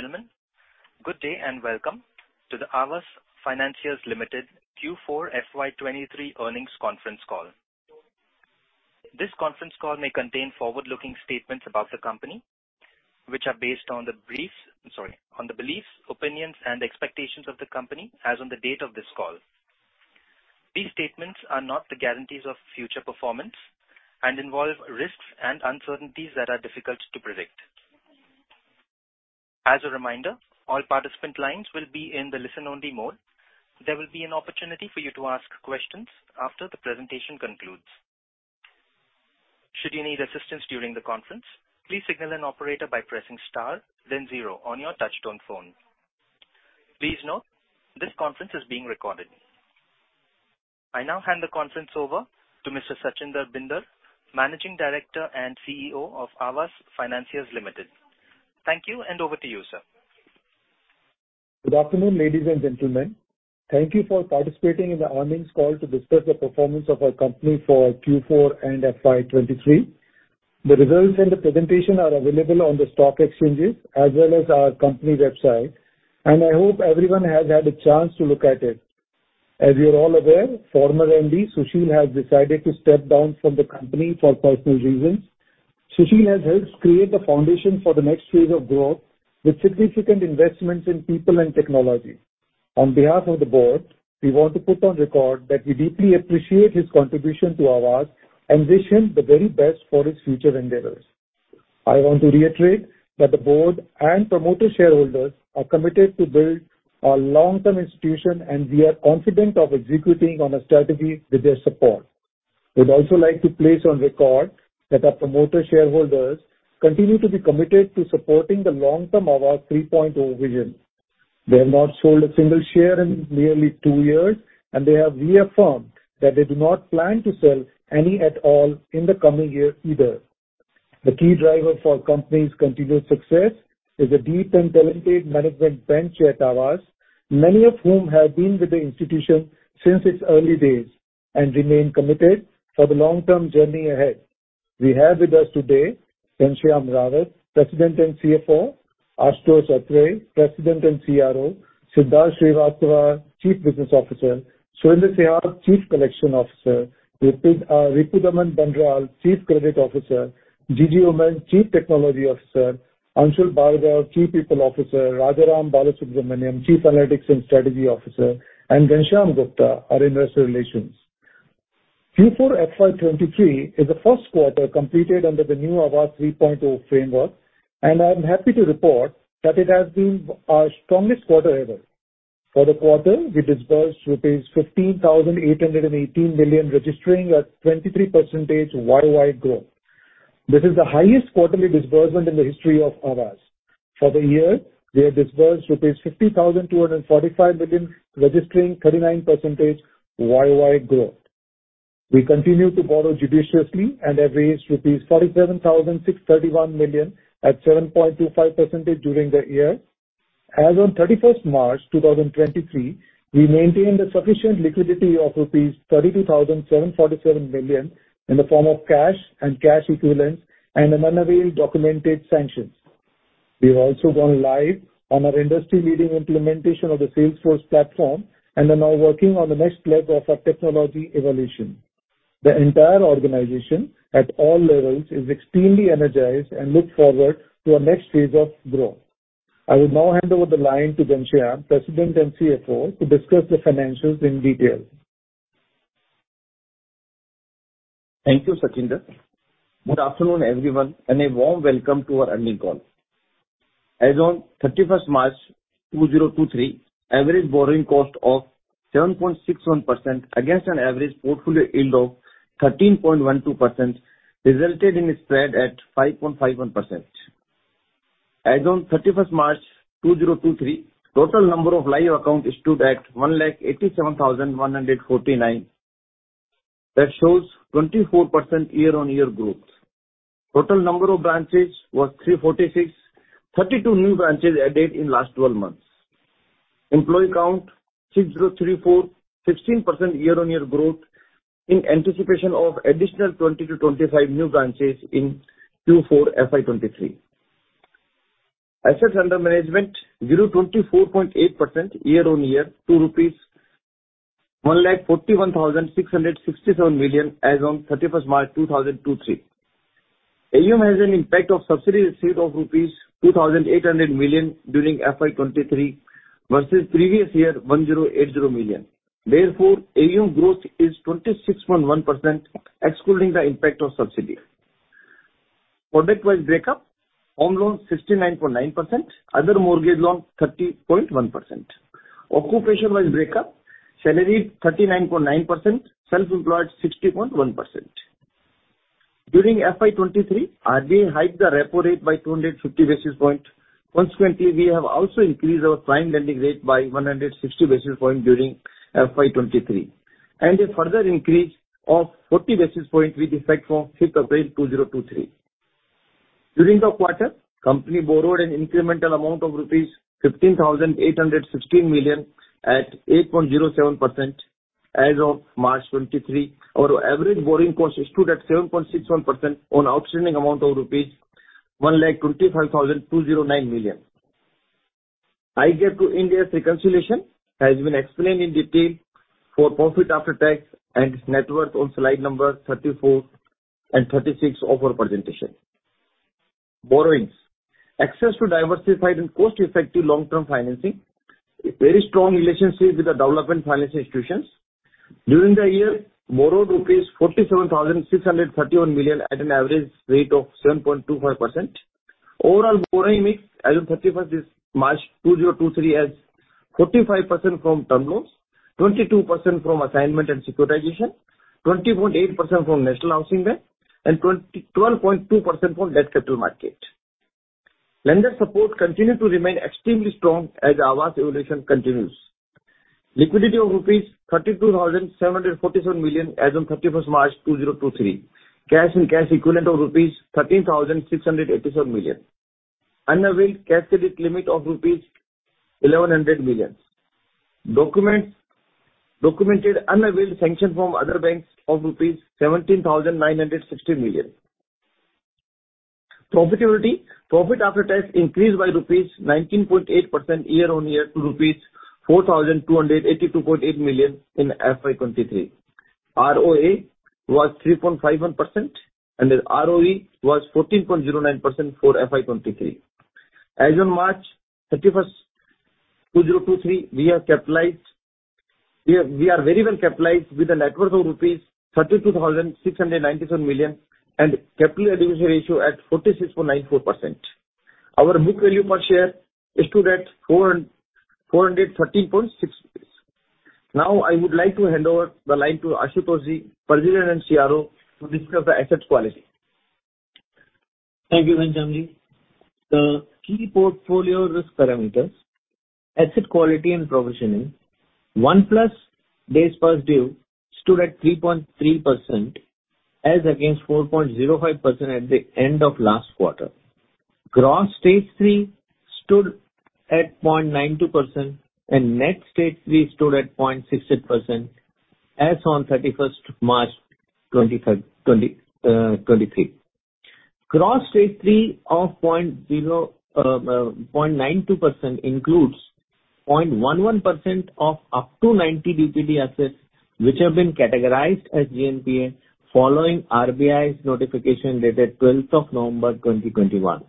Ladies and gentlemen, good day and welcome to the Aavas Financiers Limited Q4 FY23 earnings conference call. This conference call may contain forward-looking statements about the company, which are based on the briefs... I'm sorry, on the beliefs, opinions and expectations of the company as on the date of this call. These statements are not the guarantees of future performance and involve risks and uncertainties that are difficult to predict. As a reminder, all participant lines will be in the listen only mode. There will be an opportunity for you to ask questions after the presentation concludes. Should you need assistance during the conference, please signal an operator by pressing star then zero on your touchtone phone. Please note, this conference is being recorded. I now hand the conference over to Mr. Sachin Bhinder, Managing Director and CEO of Aavas Financiers Limited. Thank you, and over to you, sir. Good afternoon, ladies and gentlemen. Thank you for participating in the earnings call to discuss the performance of our company for Q4 and FY23. The results and the presentation are available on the stock exchanges as well as our company website, and I hope everyone has had a chance to look at it. As you're all aware, former MD Sushil has decided to step down from the company for personal reasons. Sushil has helped create the foundation for the next phase of growth with significant investments in people and technology. On behalf of the board, we want to put on record that we deeply appreciate his contribution to Aavas and wish him the very best for his future endeavors. I want to reiterate that the board and promoter shareholders are committed to build a long-term institution, and we are confident of executing on a strategy with their support. We'd also like to place on record that our promoter shareholders continue to be committed to supporting the long-term Aavas 3.0 vision. They have not sold a single share in nearly two years. They have reaffirmed that they do not plan to sell any at all in the coming year either. The key driver for our company's continued success is a deep and talented management bench at Aavas, many of whom have been with the institution since its early days and remain committed for the long-term journey ahead. We have with us today Ghanshyam Rawat, President and CFO, Ashutosh Atre, President and CRO, Siddharth Srivastava, Chief Business Officer, Surendra Sihag, Chief Collection Officer, Ripudaman Bandral, Chief Credit Officer, Jijy Oommen, Chief Technology Officer, Anshul Bhargava, Chief People Officer, Rajaram Balasubramaniam, Chief Analytics and Strategy Officer, and Ghanshyam Gupta, our Investor Relations. Q4 FY2023 is the first quarter completed under the new Aavas 3.0 framework, and I'm happy to report that it has been our strongest quarter ever. For the quarter, we disbursed rupees 15,818 million, registering 23% year-over-year growth. This is the highest quarterly disbursement in the history of Aavas. For the year, we have disbursed rupees 50,245 million, registering 39% year-over-year growth. We continue to borrow judiciously and have raised rupees 47,631 million at 7.25% during the year. As on 31st March 2023, we maintained a sufficient liquidity of rupees 32,747 million in the form of cash and cash equivalents and unavail documented sanctions. We have also gone live on our industry-leading implementation of the Salesforce platform and are now working on the next leg of our technology evolution. The entire organization at all levels is extremely energized and look forward to our next phase of growth. I will now hand over the line to Ghanshyam, President and CFO, to discuss the financials in detail. Thank you, Sachin. Good afternoon, everyone, and a warm welcome to our earnings call. As on 31st March 2023, average borrowing cost of 7.61% against an average portfolio yield of 13.12% resulted in a spread at 5.51%. As on 31st March 2023, total number of live accounts stood at 187,149. That shows 24% year-on-year growth. Total number of branches was 346. 32 new branches added in last 12 months. Employee count 6,034, 15% year-on-year growth in anticipation of additional 20-25 new branches in Q four FY23. Assets under management grew 24.8% year-on-year to rupees 141,667 million as on 31st March 2023. AUM has an impact of subsidy receipt of rupees 2,800 million during FY23 versus previous year 1,080 million. AUM growth is 26.1% excluding the impact of subsidy. Product-wise breakup, home loans 69.9%, other mortgage loans 30.1%. Occupation-wise breakup, salaried 39.9%, self-employed 60.1%. During FY23, RBI hiked the repo rate by 250 basis point. We have also increased our prime lending rate by 160 basis point during FY23, and a further increase of 40 basis point with effect from 5th April 2023. During the quarter, company borrowed an incremental amount of rupees 15,816 million at 8.07%. As of March 2023, our average borrowing cost stood at 7.61% on outstanding amount of rupees 125,209 million. IGAAP to Ind AS reconciliation has been explained in detail for profit after tax and its net worth on slide number 34 and 36 of our presentation. Borrowings. Access to diversified and cost-effective long-term financing. Very strong relationships with the development finance institutions. During the year, borrowed rupees 47,631 million at an average rate of 7.25%. Overall borrowing mix as on 31st March 2023 has 45% from term loans, 22% from assignment and securitization, 20.8% from National Housing Bank, and 12.2% from debt capital market. Lender support continued to remain extremely strong as Aavas evolution continues. Liquidity of rupees 32,747 million as on 31st March 2023. Cash and cash equivalent of rupees 13,687 million. Unavailed credit limit of rupees 1,100 million. Documented unavailed sanction from other banks of rupees 17,960 million. Profitability. Profit after tax increased by INR 19.8% year-on-year to rupees 4,282.8 million in FY23. ROA was 3.51%, and then ROE was 14.09% for FY 2023. As on March 31, 2023, we are very well capitalized with a net worth of rupees 32,697 million and capital adequacy ratio at 46.94%. Our book value per share stood at 430.6. I would like to hand over the line to Ashutosh Atre, President and CRO, to discuss the asset quality. Thank you, Manchamji. The key portfolio risk parameters, asset quality and provisioning. 1+ days past due stood at 3.3% as against 4.05% at the end of last quarter. Gross stage three stood at 0.92% and net stage three stood at 0.60% as on 31st March 2023. Gross stage three of 0.92% includes 0.11% of up to 90 DPD assets which have been categorized as GNPA following RBI's notification dated 12th November 2021.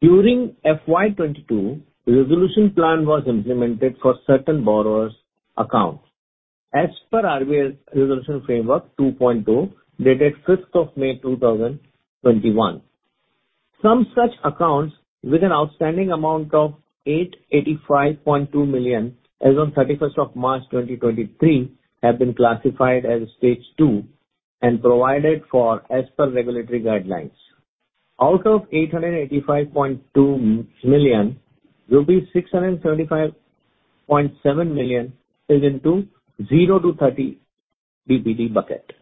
During FY22, resolution plan was implemented for certain borrowers accounts. As per RBI's Resolution Framework 2.0 dated May 5, 2021, some such accounts with an outstanding amount of 885.2 million as on March 31, 2023 have been classified as stage two and provided for as per regulatory guidelines. Out of 885.2 million, rupees 675.7 million is into 0-30 DPD bucket.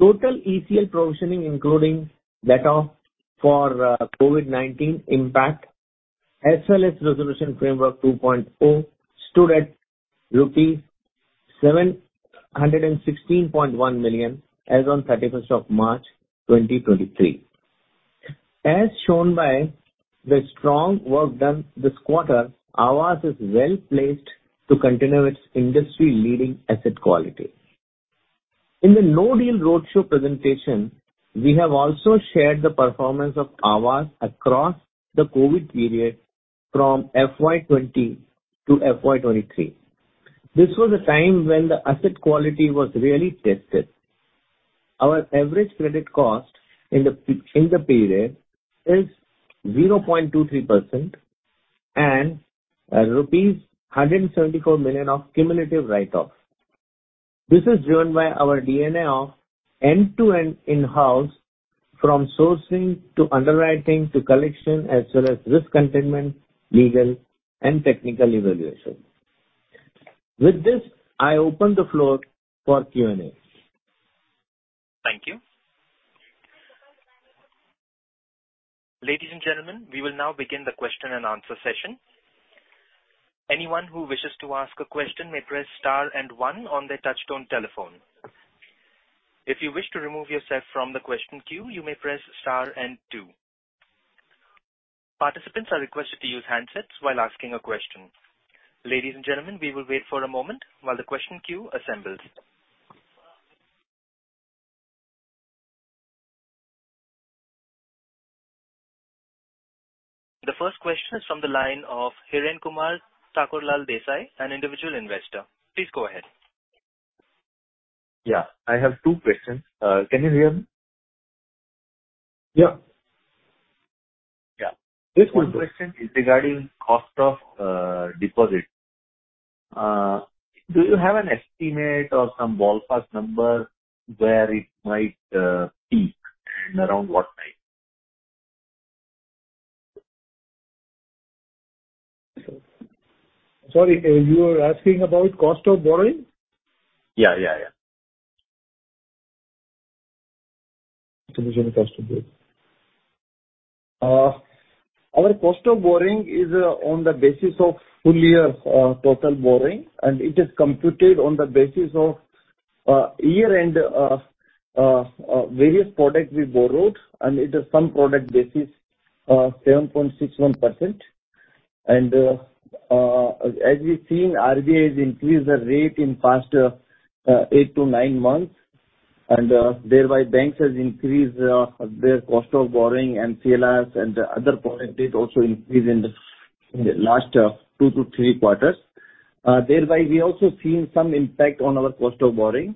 Total ECL provisioning, including that of for COVID-19 impact, as well as Resolution Framework 2.0, stood at rupees 716.1 million as on March 31, 2023. As shown by the strong work done this quarter, Aavas is well placed to continue its industry-leading asset quality. In the no-deal roadshow presentation, we have also shared the performance of Aavas across the COVID period from FY20 to FY23. This was a time when the asset quality was really tested. Our average credit cost in the period is 0.23% and rupees 174 million of cumulative write-off. This is driven by our DNA of end-to-end in-house from sourcing to underwriting to collection, as well as risk containment, legal and technical evaluation. With this, I open the floor for Q&A. Thank you. Ladies and gentlemen, we will now begin the question and answer session. Anyone who wishes to ask a question may press star and one on their touchtone telephone. If you wish to remove yourself from the question queue, you may press star and two. Participants are requested to use handsets while asking a question. Ladies and gentlemen, we will wait for a moment while the question queue assembles. The first question is from the line of Hiren Kumar Thakur Lal Desai, an individual investor. Please go ahead. Yeah. I have two questions. Can you hear me? Yeah. Yeah. Yes, please go ahead. One question is regarding cost of deposit. Do you have an estimate or some ballpark number where it might peak and around what time? Sorry, you are asking about cost of borrowing? Yeah. Yeah. Yeah. Our cost of borrowing is on the basis of full year total borrowing, and it is computed on the basis of year and various products we borrowed, and it is some product basis, 7.61%. As we've seen, RBI has increased the rate in past eight to nine months and thereby banks has increased their cost of borrowing and MCLRs and other product rate also increased in the last two to three quarters. Thereby we also seen some impact on our cost of borrowing.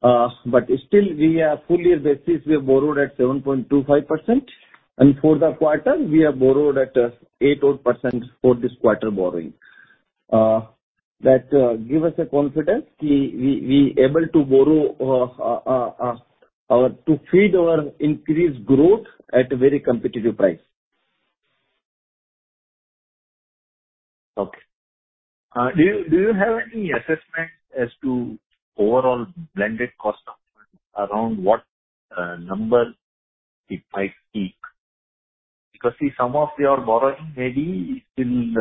But still we are fully as basis, we have borrowed at 7.25%, and for the quarter we have borrowed at 8 odd percent for this quarter borrowing. That give us a confidence we able to borrow or to feed our increased growth at a very competitive price. Okay. do you have any assessment as to overall blended cost of around what number it might peak? see, some of your borrowing may be still,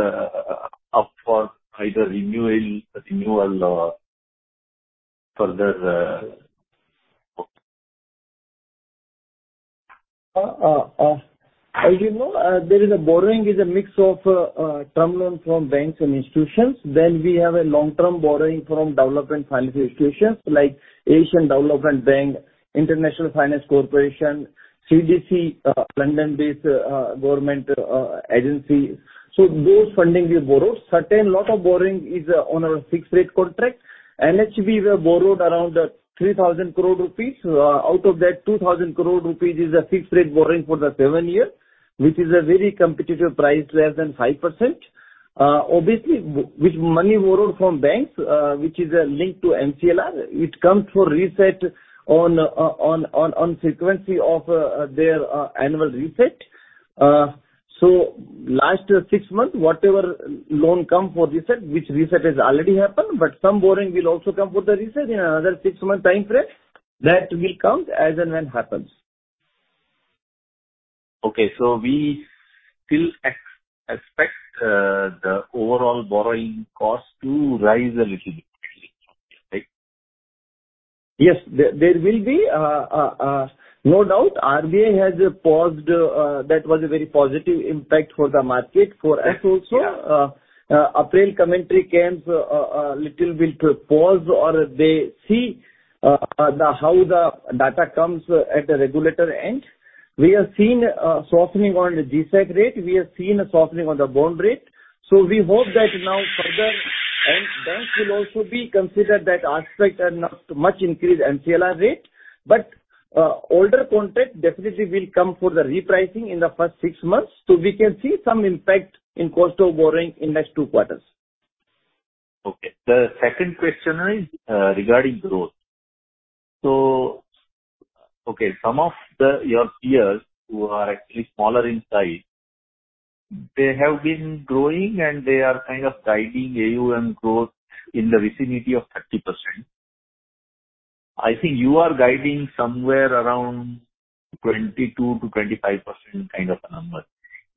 up for either renewal or further,... As you know, there is a borrowing is a mix of term loan from banks and institutions. We have a long-term borrowing from development financial institutions like Asian Development Bank, International Finance Corporation, CDC, London-based government agency. Those funding we borrow. Certain lot of borrowing is on a fixed rate contract. NHB we have borrowed around 3,000 crore rupees. Out of that, 2,000 crore rupees is a fixed rate borrowing for the seven year, which is a very competitive price, less than 5%. Obviously with money borrowed from banks, which is a link to MCLR, it comes for reset on frequency of their annual reset. Last six months, whatever loan come for reset, which reset has already happened, but some borrowing will also come for the reset in another 6-month timeframe. That will count as and when happens. Okay. We still expect the overall borrowing costs to rise a little bit, right? Yes. There will be no doubt RBI has paused, that was a very positive impact for the market. For us also. Yeah. April commentary came, little bit paused or they see, the, how the data comes at the regulator end. We have seen softening on the G-Sec rate. We have seen a softening on the bond rate. We hope that now further and banks will also be considered that aspect and not much increase MCLR rate. Older contract definitely will come for the repricing in the first six months. We can see some impact in cost of borrowing in next two quarters. Okay. The second question is regarding growth. Okay, some of the, your peers who are actually smaller in size, they have been growing and they are kind of guiding AUM growth in the vicinity of 30%. I think you are guiding somewhere around 22%-25% kind of a number.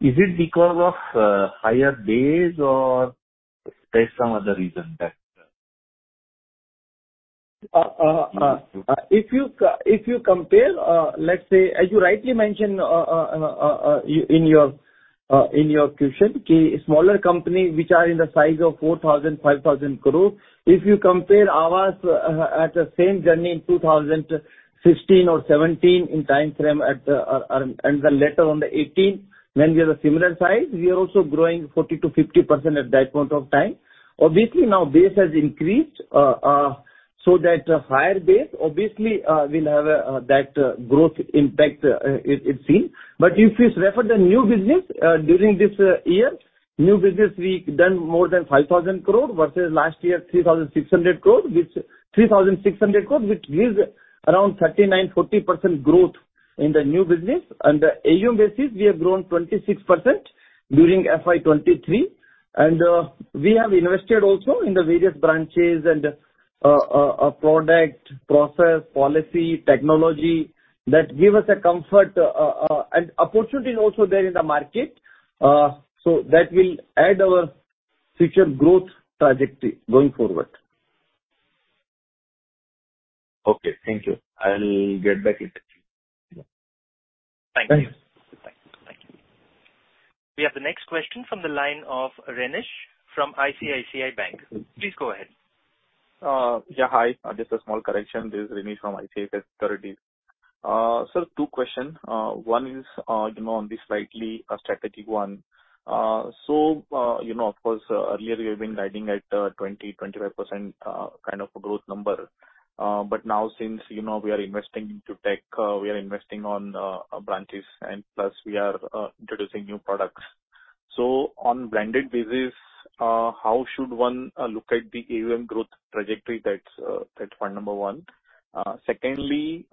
Is it because of higher base or there's some other reason that? If you compare, let's say as you rightly mentioned, in your question, smaller company which are in the size of 4,000 crore, 5,000 crore, if you compare ours at the same journey in 2016 or 2017 in timeframe, and later on the 2018 when we are a similar size, we are also growing 40%-50% at that point of time. Obviously now base has increased, so that higher base obviously, will have that growth impact, is seen. If you refer the new business, during this, year, new business we done more than 5,000 crore versus last year 3,600 crore, which gives around 39%-40% growth in the new business. The AUM basis we have grown 26% during FY 2023. We have invested also in the various branches and, product, process, policy, technology that give us a comfort, and opportunity is also there in the market. That will add our future growth trajectory going forward. Okay. Thank you. I'll get back later. Thank you. Thanks. Thank you. Thank you. We have the next question from the line of Rinesh from ICICI Securities. Please go ahead. Yeah, hi. Just a small correction. This is Rinesh from ICICI Securities. Sir, two question. one is, you know, on the slightly strategic one. You know, of course earlier you have been guiding at 20-25% kind of a growth number. Now since, you know, we are investing into tech, we are investing on branches and plus we are introducing new products. On blended basis, how should one look at the AUM growth trajectory? That's one, number one. Secondly,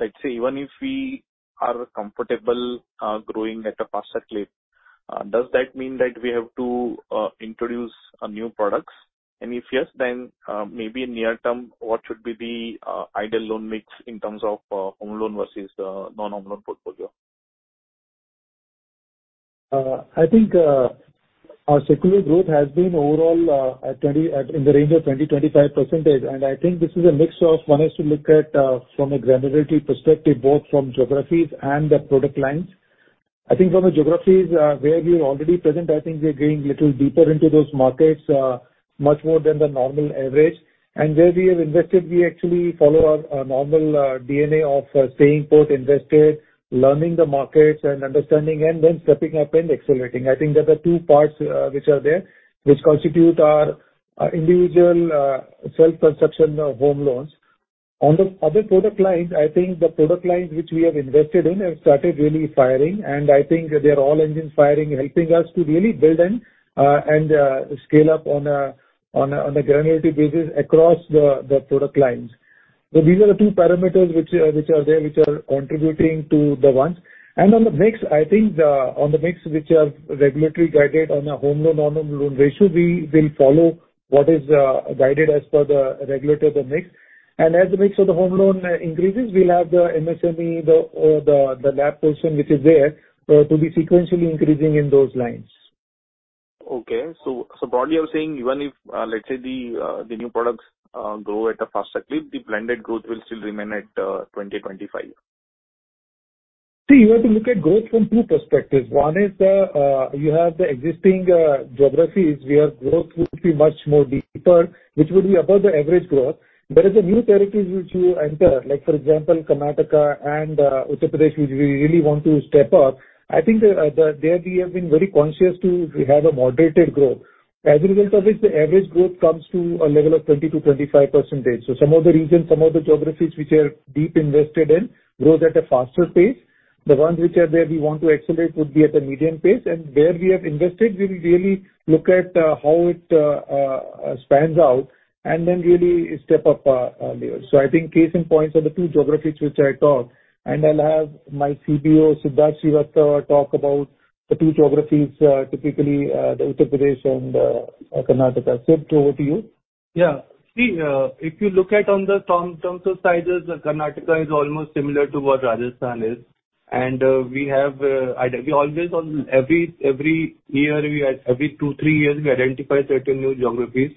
let's say even if we are comfortable growing at a faster clip, does that mean that we have to introduce new products? If yes, then, maybe near term, what should be the ideal loan mix in terms of home loan versus the non-home loan portfolio? I think our secular growth has been overall in the range of 20%-25%, and I think this is a mix of one has to look at from a granularity perspective, both from geographies and the product lines. I think from the geographies, where we are already present, I think we are going little deeper into those markets, much more than the normal average. Where we have invested, we actually follow our normal DNA of staying put, invested, learning the markets and understanding and then stepping up and accelerating. I think there are two parts, which are there, which constitute our individual self-conception of home loans. On the other product lines, I think the product lines which we have invested in have started really firing, and I think they are all engine firing, helping us to really build and scale up on a granularity basis across the product lines. These are the two parameters which are there, which are contributing to the ones. On the mix, I think on the mix which are regulatory guided on a home loan, non-home loan ratio, we will follow what is guided as per the regulator, the mix. As the mix of the home loan increases, we'll have the MSME, the LAP portion which is there to be sequentially increasing in those lines. Okay. Broadly you're saying even if, let's say the new products grow at a faster clip, the blended growth will still remain at 20-25%? See, you have to look at growth from two perspectives. One is the, you have the existing geographies where growth will be much more deeper, which will be above the average growth. There is a new territories which you enter, like for example, Karnataka and Uttar Pradesh, which we really want to step up. I think, there we have been very conscious to have a moderated growth. As a result of which the average growth comes to a level of 20%-25%. So some of the regions, some of the geographies which are deep invested in grows at a faster pace. The ones which are there we want to accelerate would be at a medium pace. And where we have invested, we will really look at, how it spans out and then really step up our levels. I think case in points are the two geographies which I talked, and I'll have my CBO, Siddharth Srivastava, talk about the two geographies, typically, the Uttar Pradesh and Karnataka. Sid, over to you. Yeah. See, if you look at on the terms of sizes, Karnataka is almost similar to what Rajasthan is. We have, we always on every year we have, every 2 years-3 years we identify certain new geographies.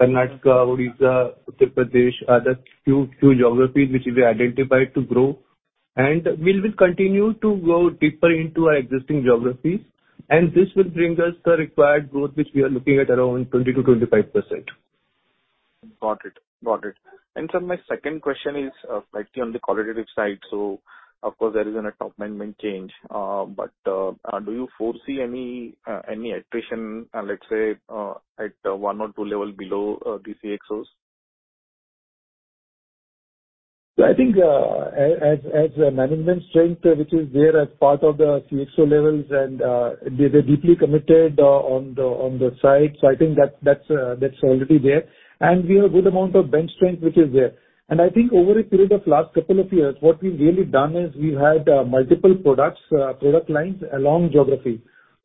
Karnataka, Odisha, Uttar Pradesh are the few geographies which we identified to grow. We will continue to grow deeper into our existing geographies, and this will bring us the required growth which we are looking at around 20%-25%. Got it. Sir, my second question is slightly on the qualitative side. Of course there isn't a top management change. But do you foresee any attrition, let's say, at one or two level below the CXOs? I think as a management strength which is there as part of the CXO levels and they're deeply committed on the side. I think that's already there. We have good amount of bench strength which is there. I think over a period of last couple of years, what we've really done is we've had multiple products, product lines along geography.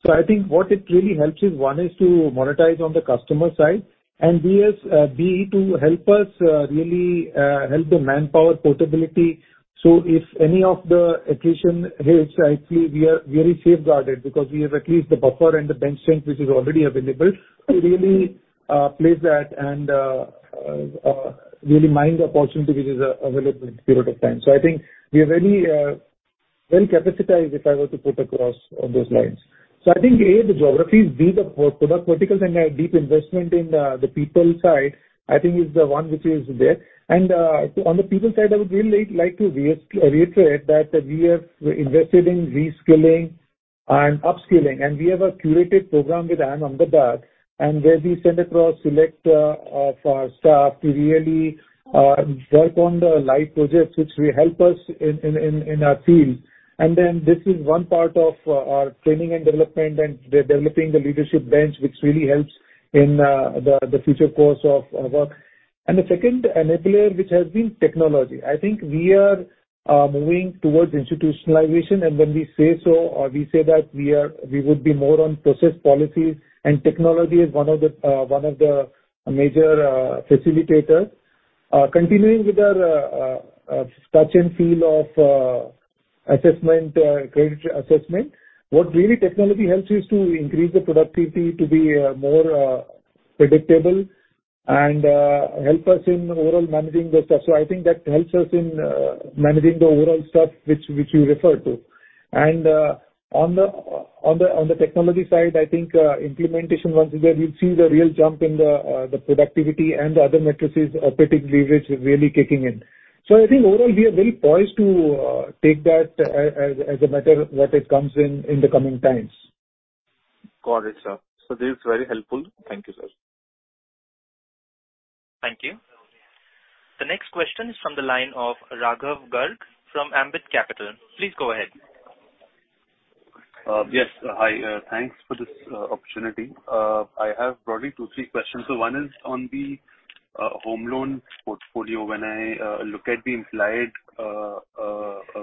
I think what it really helps is, one is to monetize on the customer side and we to help us really help the manpower portability. If any of the attrition hits, I feel we are very safeguarded because we have at least the buffer and the bench strength which is already available to really place that and really mine the opportunity which is available with period of time. I think we are very well-capacitized, if I were to put across on those lines. I think, A, the geographies, B, the pro-product verticals and our deep investment in the people side, I think is the one which is there. On the people side, I would really like to reiterate that we have invested in reskilling and upskilling, and we have a curated program with IIM Ahmedabad and where we send across select of our staff to really work on the live projects which will help us in our field. This is one part of our training and development and de-developing the leadership bench which really helps in the future course of work. The second enabler, which has been technology. I think we are moving towards institutionalization. When we say so or we say that we are, we would be more on process policies and technology is one of the one of the major facilitator. Continuing with our touch and feel of assessment, credit assessment, what really technology helps is to increase the productivity to be more predictable and help us in overall managing the stuff. I think that helps us in managing the overall stuff which you referred to. On the technology side, I think implementation once is there, we'll see the real jump in the productivity and the other matrices particularly which is really kicking in. I think overall we are very poised to take that as a matter what it comes in in the coming times. Got it, sir. This is very helpful. Thank you, sir. Thank you. The next question is from the line of Rinesh Gandhi from Ambit Capital. Please go ahead. Yes. Hi. Thanks for this opportunity. I have broadly two, three questions. home loan portfolio. When I look at the implied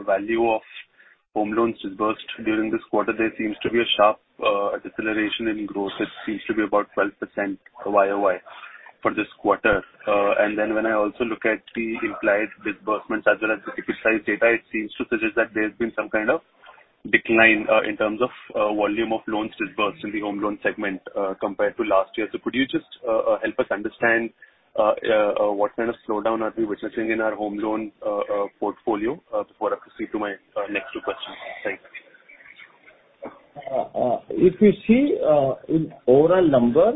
value of home loans disbursed during this quarter, there seems to be a sharp deceleration in growth. It seems to be about 12% Y-o-Y for this quarter. When I also look at the implied disbursements as well as the ticket size data, it seems to suggest that there's been some kind of decline in terms of volume of loans disbursed in the home loan segment compared to last year. Could you just help us understand what kind of slowdown are we witnessing in our home loan portfolio before I proceed to my next two questions? Thanks. If you see, in overall number,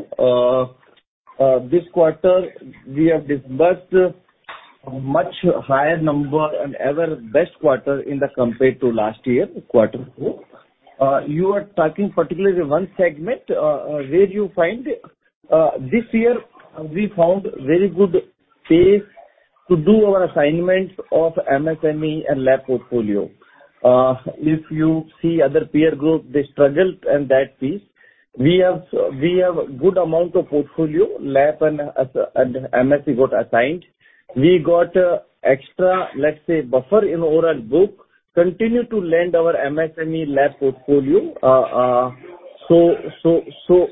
this quarter we have disbursed much higher number and ever best quarter in the compared to last year quarter four. You are talking particularly one segment, where you find, this year we found very good pace to do our assignments of MSME and LAP portfolio. If you see other peer group, they struggled in that piece. We have good amount of portfolio, LAP and MSME got assigned. We got extra, let's say, buffer in overall book, continue to lend our MSME LAP portfolio. That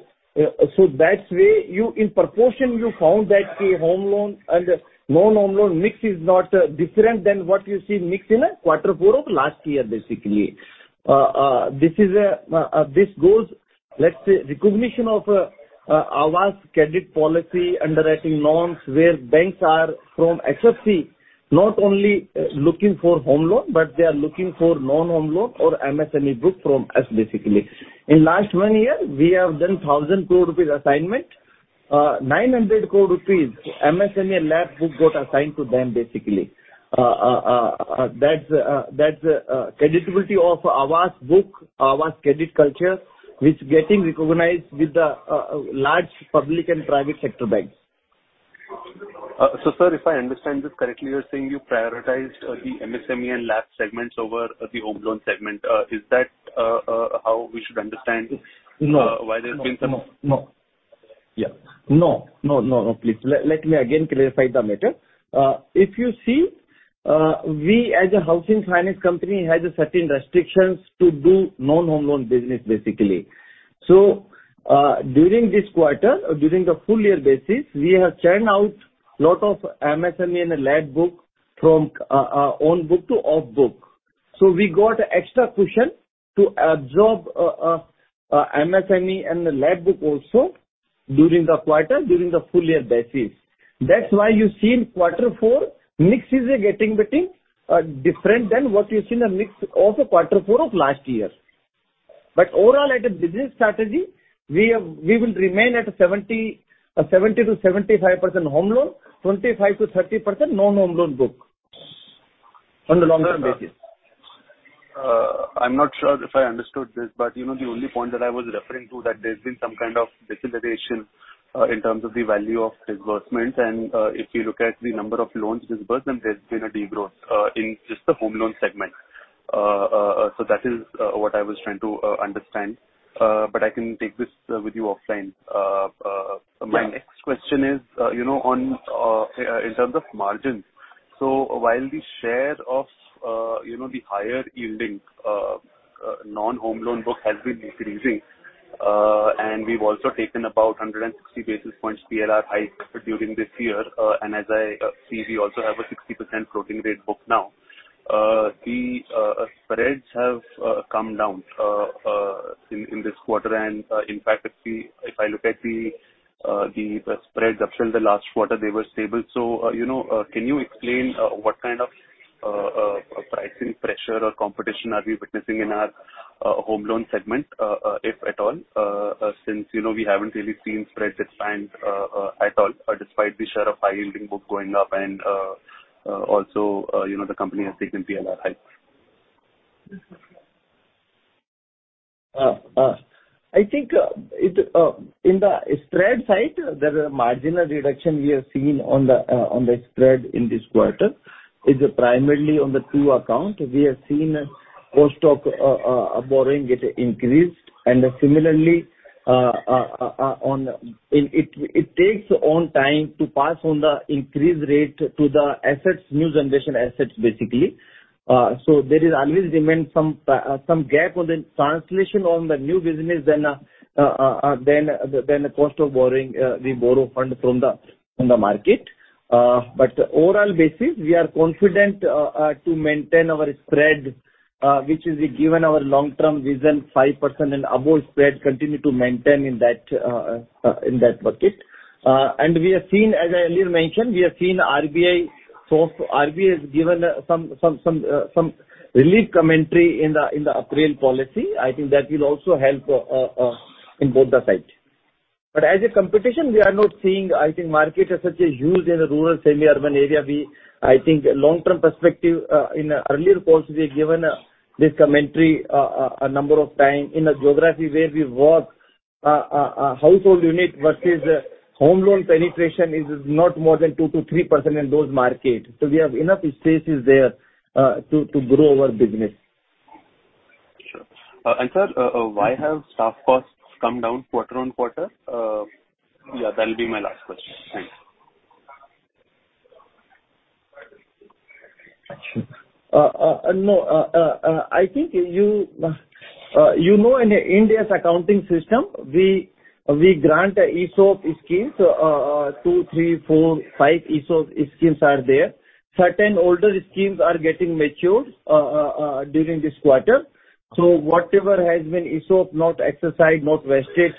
way you in proportion you found that the home loan and non-home loan mix is not different than what you see mix in a quarter four of last year, basically. This is a, this goes, let's say, recognition of Aavas credit policy underwriting loans where banks are from EFC, not only looking for home loan, but they are looking for non-home loan or MSME book from us, basically. In last 1 year we have done 1,000 crore rupees assignment. 900 crore rupees MSME and LAP book got assigned to them, basically. That's creditability of Aavas book, Aavas credit culture which getting recognized with the large public and private sector banks. Sir, if I understand this correctly, you're saying you prioritized the MSME and LAP segments over the home loan segment. Is that how we should understand-? No. why there's been. No, no. Yeah. No, no, no. Please let me again clarify the matter. If you see, we as a housing finance company has certain restrictions to do non-home loan business, basically. During this quarter, during the full year basis, we have churned out lot of MSME and LAP book from on book to off book. We got extra cushion to absorb MSME and the LAP book also during the quarter, during the full year basis. That's why you see in quarter four mix is getting bit different than what you see in the mix of quarter four of last year. Overall as a business strategy, we will remain at 70% or 70%-75% home loan, 25%-30% non-home loan book on the long term basis. I'm not sure if I understood this, but you know, the only point that I was referring to that there's been some kind of deceleration in terms of the value of disbursement. If you look at the number of loans disbursed, then there's been a degrowth in just the home loan segment. That is what I was trying to understand. I can take this with you offline. Yeah. My next question is, you know, on, in terms of margins. While the share of, you know, the higher yielding, non-home loan book has been increasing, and we've also taken about 160 basis points PLR hike during this year, and as I see, we also have a 60% floating rate book now. The spreads have come down in this quarter. In fact, if I look at the spreads up till the last quarter, they were stable. Can you explain, what kind of pricing pressure or competition are we witnessing in our home loan segment, if at all? Since, you know, we haven't really seen spreads expand, at all, despite the share of high yielding book going up and, also, you know, the company has taken PLR hike. I think it in the spread side there are marginal reduction we have seen on the spread in this quarter. It's primarily on the two account. We have seen cost of borrowing get increased, and similarly, it takes own time to pass on the increased rate to the assets, new generation assets basically. There is always remain some gap on the translation on the new business than the cost of borrowing we borrow fund from the market. Overall basis we are confident to maintain our spread, which is given our long-term vision 5% and above spread continue to maintain in that bucket. We have seen, as I earlier mentioned, we have seen RBI talk. RBI has given some relief commentary in the April policy. I think that will also help in both the sides. As a competition, we are not seeing, I think market as such is huge in the rural, semi-urban area. We, I think long-term perspective, in earlier calls we have given this commentary a number of time. In the geography where we work, household unit versus home loan penetration is not more than 2%-3% in those market. We have enough spaces there to grow our business. Sir, why have staff costs come down quarter-on-quarter? Yeah, that'll be my last question. Thanks. No. I think you know, in India's accounting system, we grant ESOP schemes, two, three, four, five ESOP schemes are there. Certain older schemes are getting matured during this quarter. Whatever has been ESOP not exercised, not vested,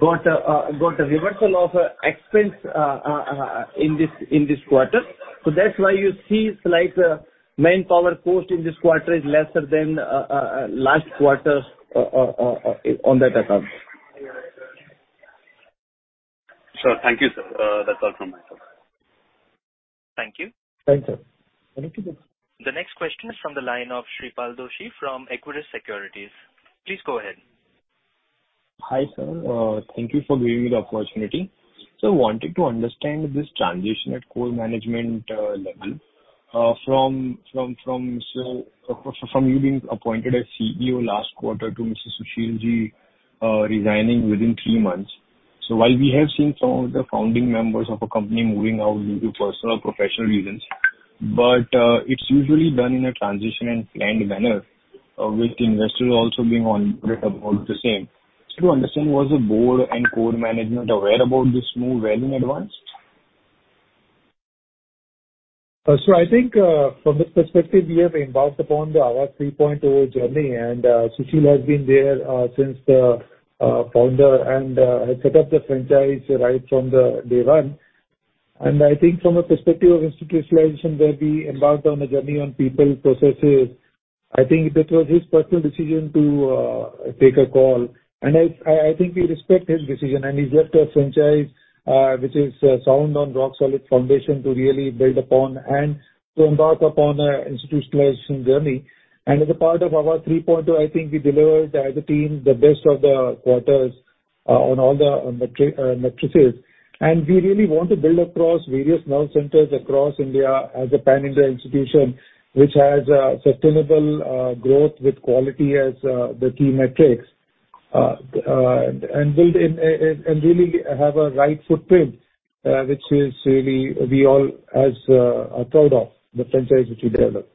got a reversal of expense in this quarter. That's why you see slight manpower cost in this quarter is lesser than last quarter on that account. Sure. Thank you, sir. That's all from my side. Thank you. Thanks, sir. The next question is from the line of Shreepal Doshi from Equirus Securities. Please go ahead. Hi, sir. Thank you for giving me the opportunity. Wanted to understand this transition at core management level from you being appointed as CEO last quarter to Mr. Sushil Ji resigning within three months. While we have seen some of the founding members of a company moving out due to personal or professional reasons, it's usually done in a transition and planned manner with investors also being on board about the same. Just to understand, was the board and core management aware about this move well in advance? I think, from this perspective, we have embarked upon the Aavas 3.0 journey. Sushil has been there since the founder and had set up the franchise right from the day one. I think from a perspective of institutionalization, where we embarked on a journey on people, processes. I think that was his personal decision to take a call. I think we respect his decision and he's left a franchise, which is sound on rock-solid foundation to really build upon and to embark upon an institutionalization journey. As a part of Aavas 3.0, I think we delivered as a team, the best of the quarters, on all the metrics. We really want to build across various node centers across India as a pan-India institution which has sustainable growth with quality as the key metrics, and build in and really have a right footprint which is really we all as are proud of the franchise which we developed.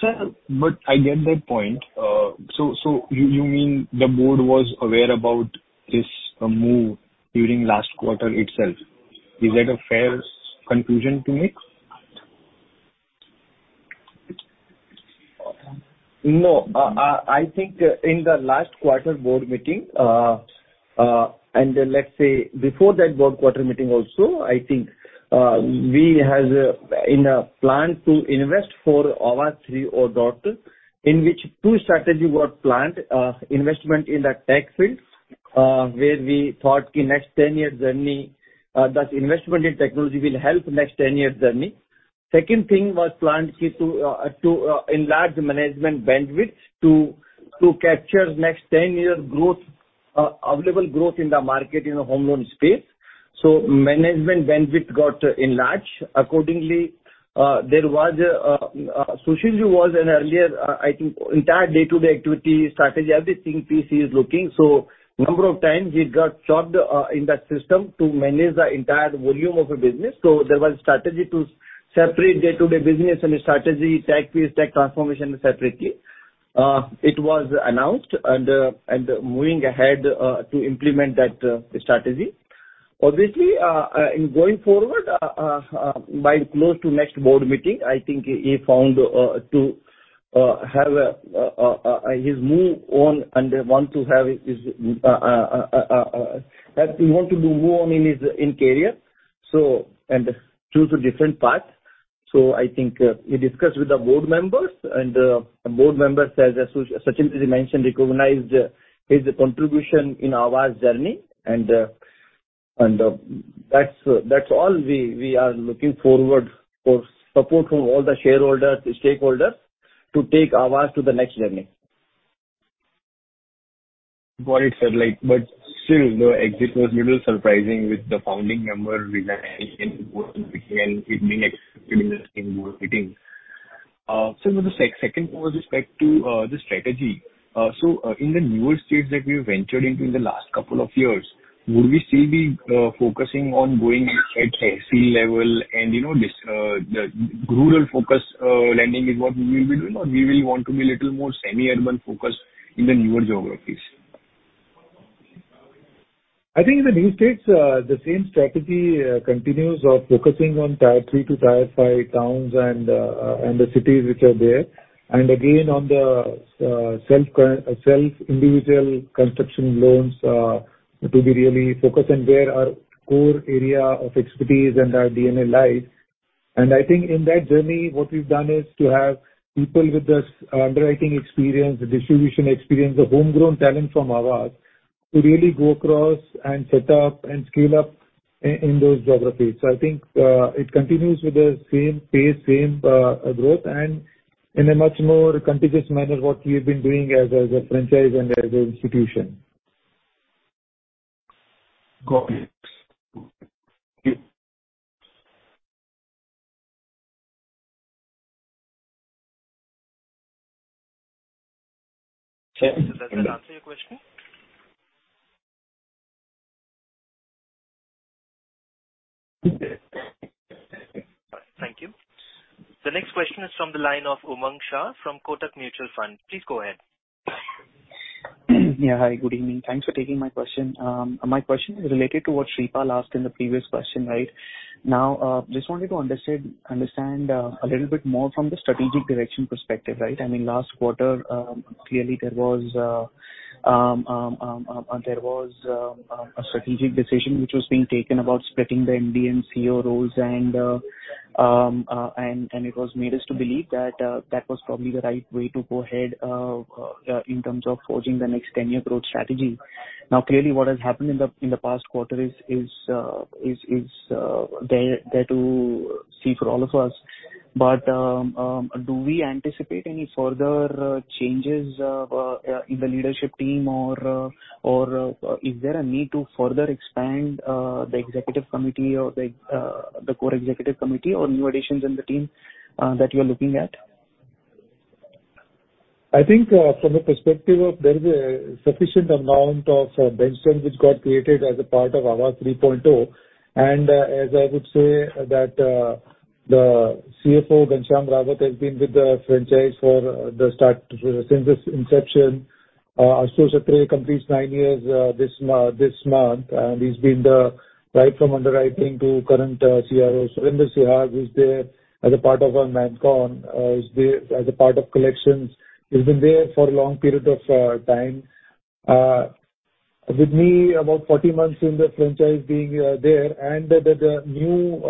Sir, I get that point. You mean the board was aware about his move during last quarter itself? Is that a fair conclusion to make? No. I think in the last quarter board meeting, and let's say before that board quarter meeting also, I think, we had in a plan to invest for Aavas 3.0 in which two strategy were planned. Investment in the tech field, where we thought in next 10 years journey, that investment in technology will help next 10 years journey. Second thing was planned ki to to enlarge management bandwidth to capture next 10 years growth, available growth in the market in the home loan space. Management bandwidth got enlarged accordingly. There was Sushil Ji was an earlier, I think entire day-to-day activity strategy, everything piece he is looking. Number of times he got chopped in that system to manage the entire volume of a business. There was strategy to separate day-to-day business and strategy tech piece, tech transformation separately. It was announced and moving ahead to implement that strategy. Obviously, in going forward, by close to next board meeting, I think he found to have his move on and want to have his that he want to move on in his career, so and choose a different path. I think he discussed with the board members and board members, as Sachin Ji mentioned, recognized his contribution in Aavas journey and that's all. We are looking forward for support from all the shareholders, stakeholders to take Aavas to the next journey. Got it, sir. Like, still the exit was little surprising with the founding member resigning in board meeting and it being a board meeting. Sir, the second was respect to the strategy. In the newer states that we've ventured into in the last couple of years, would we still be focusing on going at AC level? You know, this the rural focus lending is what we will be doing, or we will want to be little more semi-urban focused in the newer geographies? I think in the new states, the same strategy continues of focusing on tier three to tier five towns and the cities which are there. Again, on the self individual construction loans, to be really focused and where our core area of expertise and our DNA lies. I think in that journey, what we've done is to have people with this underwriting experience, the distribution experience, the homegrown talent from Aavas to really go across and set up and scale up in those geographies. I think, it continues with the same pace, same growth and in a much more contiguous manner what we've been doing as a, as a franchise and as a institution. Got it. Thank you. Does that answer your question? Thank you. The next question is from the line of Umang Shah from Kotak Mutual Fund. Please go ahead. Yeah. Hi, good evening. Thanks for taking my question. My question is related to what Sripal asked in the previous question, right? Now, just wanted to understand a little bit more from the strategic direction perspective, right? I mean, last quarter, clearly there was a strategic decision which was being taken about splitting the MD and CEO roles and it was made us to believe that that was probably the right way to go ahead in terms of forging the next ten-year growth strategy. Now, clearly what has happened in the past quarter is there to see for all of us. Do we anticipate any further changes in the leadership team or is there a need to further expand the executive committee or the core executive committee or new additions in the team that you are looking at? I think, from the perspective of there is a sufficient amount of bench strength which got created as a part of our Aavas 3.0. As I would say that, the CFO, Ghanshyam Rawat, has been with the franchise for the start, since its inception. Ashu Satray completes nine years this month. He's been the right from underwriting to current CRO. Surender Singh is there as a part of our MANCOM, is there as a part of collections. He's been there for a long period of time. With me about 40 months in the franchise being there and the new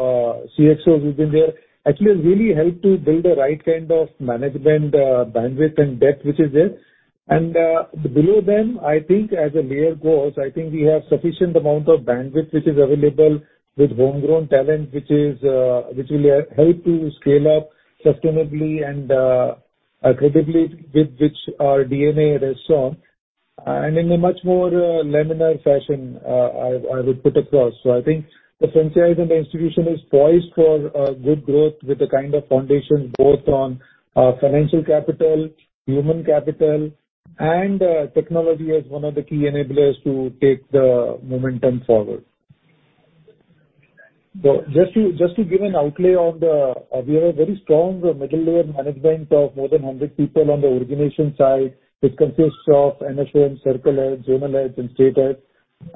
CXOs who've been there actually has really helped to build the right kind of management bandwidth and depth which is there. Below them, I think as the layer goes, I think we have sufficient amount of bandwidth which is available with homegrown talent which will help to scale up sustainably and credibly with which our DNA rests on. In a much more laminar fashion, I would put across. I think the franchise and the institution is poised for good growth with the kind of foundation both on financial capital, human capital and technology as one of the key enablers to take the momentum forward. Just to give an outlay. We have a very strong middle layer management of more than 100 people on the origination side, which consists of NSH and circle heads, zone heads and state heads.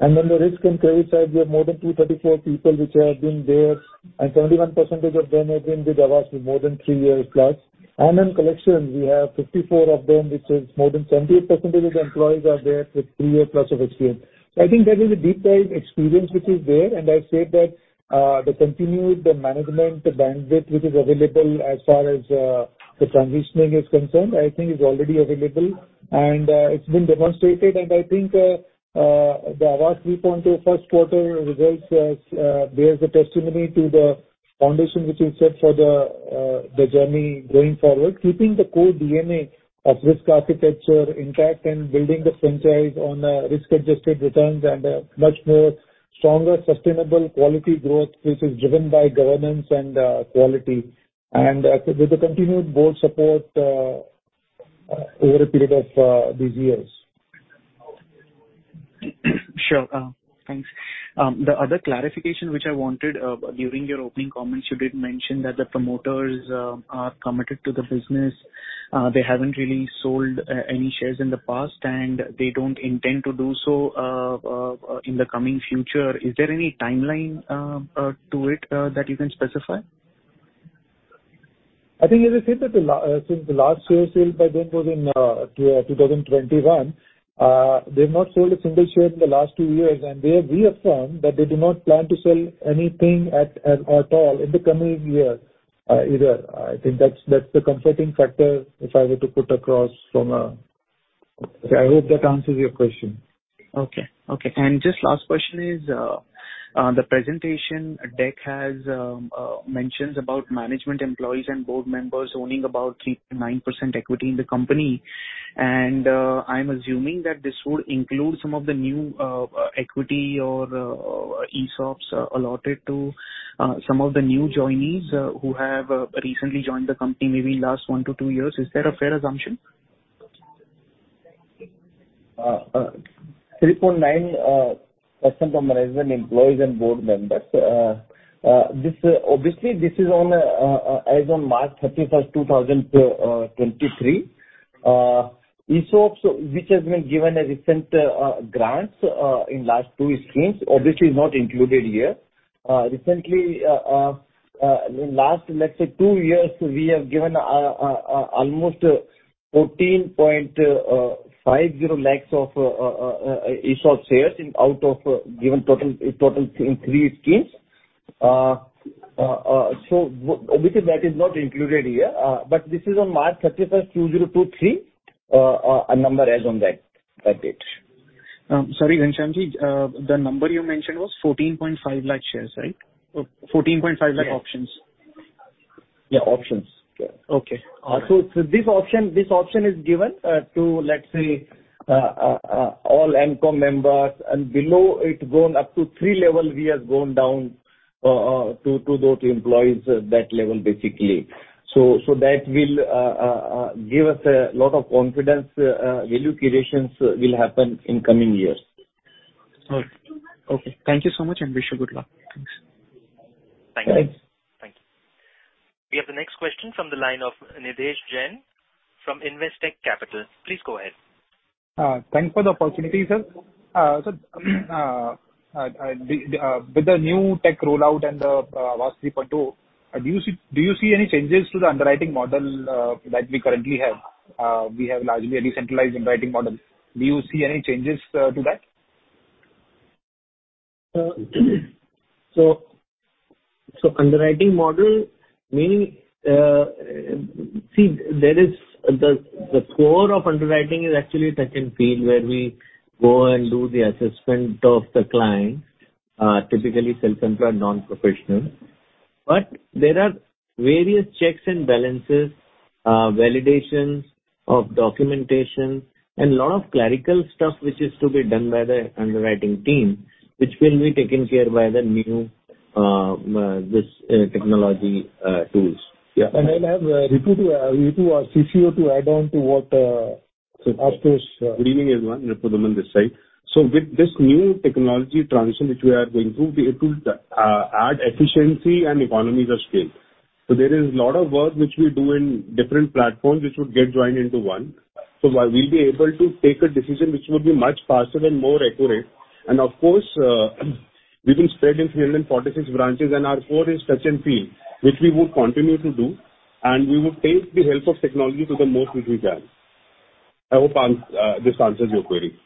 The risk and credit side, we have more than 234 people which have been there, and 21% of them have been with Aavas for more than 3 years+. In collections we have 54 of them, which is more than 70% of employees are there with 3 year+ of experience. I think that is a deep-dive experience which is there. I've said that, the continued management bandwidth which is available as far as, the transitioning is concerned, I think is already available and, it's been demonstrated. I think the Aavas 3.0 first quarter results bears a testimony to the foundation which is set for the journey going forward, keeping the core DNA of risk architecture intact and building the franchise on risk-adjusted returns and a much more stronger, sustainable quality growth which is driven by governance and quality and with the continued board support over a period of these years. Sure. Thanks. The other clarification which I wanted during your opening comments, you did mention that the promoters are committed to the business. They haven't really sold any shares in the past, and they don't intend to do so in the coming future. Is there any timeline to it that you can specify? I think as I said that since the last share sale by them was in 2021. They've not sold a single share in the last two years, and they have reaffirmed that they do not plan to sell anything at all in the coming year either. I think that's the comforting factor if I were to put across from a. I hope that answers your question. Okay. Okay. Just last question is, the presentation deck has mentions about management employees and board members owning about 3%-9% equity in the company. I'm assuming that this would include some of the new equity or ESOPs allotted to some of the new joinees who have recently joined the company, maybe last 1year- 2 years. Is that a fair assumption? 3.9% of management employees and board members. This obviously this is on as on March 31st, 2023. ESOPs which has been given a recent grants in last two schemes obviously is not included here. Recently in last, let's say two years, we have given almost 14.50 lakhs of ESOP shares in out of given total in three schemes. Obviously that is not included here. This is on March 31st, 2023 number as on that date. Sorry, Ghanshyam ji. The number you mentioned was 14.5 lakh shares, right? 14.5 lakh options. Yeah, options. Ok option, this option is given to... All NCOM members and below it, going up to three levels, we have gone down to those employees at that level, basically. So, so that will give us a lot of confidence. Value creation will happen in coming years. Okay. Thank you so much, and wish you good luck. Thank you. Thanks. Thank you. We have the next question from the line of Nidhesh Jain from Investec Capital. Please go ahead. Thanks for the opportunity, sir. With the new tech rollout and Aavas 3.0, do you see any changes to the underwriting model that we currently have? We have largely a decentralized underwriting model. Do you see any changes to that? underwriting model meaning, see there is the core of underwriting is actually touch and feel where we go and do the assessment of the client, typically self-employed, non-professional. There are various checks and balances, validations of documentation and lot of clerical stuff which is to be done by the underwriting team, which will be taken care by the new, this technology tools. Yeah. I'll have Ritu, our CCO, to add on to what Ashutosh. Good evening, everyone. Ripudaman Bandral this side. With this new technology transition which we are going through, we're able to add efficiency and economies of scale. There is a lot of work which we do in different platforms which would get joined into one. While we'll be able to take a decision which would be much faster and more accurate, and of course, we've been spread in 346 branches and our core is touch and feel, which we would continue to do, and we would take the help of technology to the most which we can. I hope this answers your query.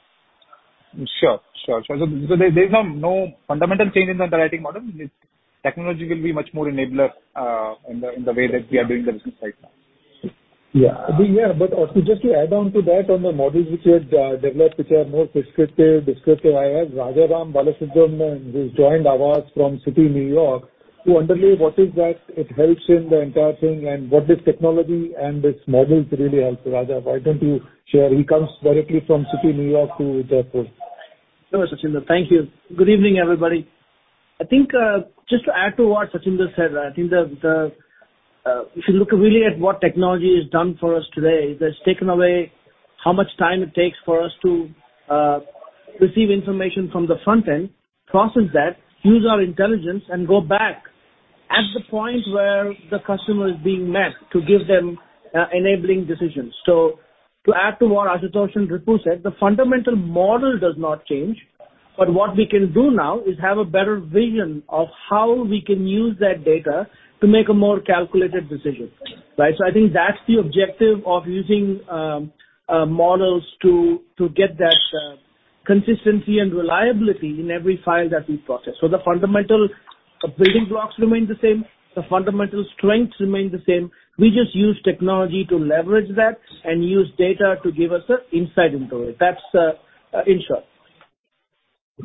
Sure. Sure. There's no fundamental change in the underwriting model. Technology will be much more enabler in the way that we are doing the business right now. Yeah. Also just to add on to that, on the models which we have, developed, which are more prescriptive, descriptive, I haveRajaram Balasubramaniam who's joined Aavas from Citi, New York, to underlay what is that it helps in the entire thing and what this technology and this models really helps. Raja, why don't you share? He comes directly from Citi, New York, to Jaipur. Hello, Sachinder. Thank you. Good evening, everybody. I think just to add to what Sachinder said, I think the if you look really at what technology has done for us today, that's taken away how much time it takes for us to receive information from the front end, process that, use our intelligence and go back at the point where the customer is being met to give them enabling decisions. To add to what Ashutosh and Ritu said, the fundamental model does not change. What we can do now is have a better vision of how we can use that data to make a more calculated decision, right? I think that's the objective of using models to get that consistency and reliability in every file that we process. The fundamental building blocks remain the same, the fundamental strengths remain the same. We just use technology to leverage that and use data to give us a insight into it. That's in short.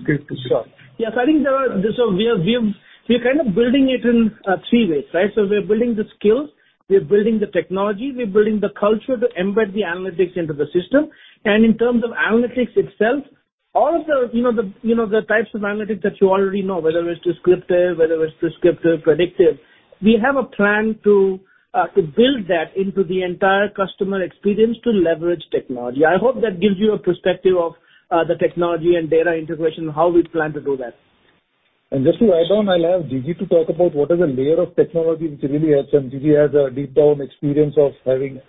Okay. Sure. Yes. We are kind of building it in three ways, right? We are building the skills, we are building the technology, we are building the culture to embed the analytics into the system. In terms of analytics itself, all of the, you know, the types of analytics that you already know, whether it's descriptive, whether it's prescriptive, predictive, we have a plan to build that into the entire customer experience to leverage technology. I hope that gives you a perspective of the technology and data integration and how we plan to do that. Just to add on, I'll have GG to talk about what is the layer of technology which really helps. GG has a deep down experience of having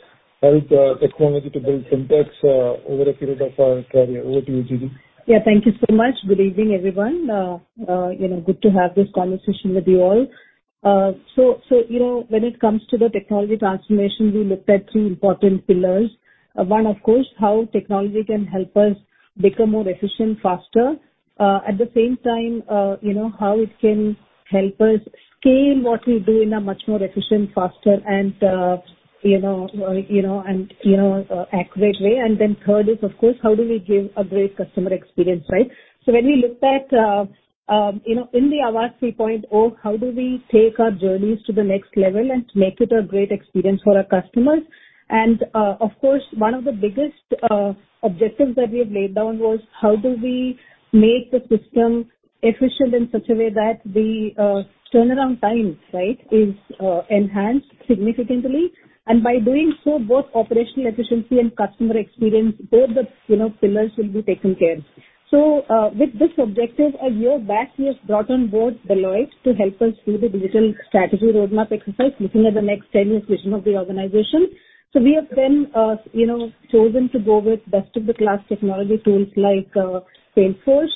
helped technology to build Syntex over a period of career. Over to you, GG. Yeah. Thank you so much. Good evening, everyone. You know, good to have this conversation with you all. When it comes to the technology transformation, we looked at three important pillars. One, of course, how technology can help us become more efficient faster. At the same time, you know, how it can help us scale what we do in a much more efficient, faster and, you know, accurate way. Third is, of course, how do we give a great customer experience, right? When we looked at, you know, in the Aavas 3.0, how do we take our journeys to the next level and make it a great experience for our customers? Of course, one of the biggest objectives that we have laid down was how do we make the system efficient in such a way that the turnaround time, right, is enhanced significantly. By doing so, both operational efficiency and customer experience, both the, you know, pillars will be taken care. With this objective a year back, we have brought on board Deloitte to help us do the digital strategy roadmap exercise, looking at the next 10 years vision of the organization. We have then, you know, chosen to go with best of the class technology tools like, Salesforce,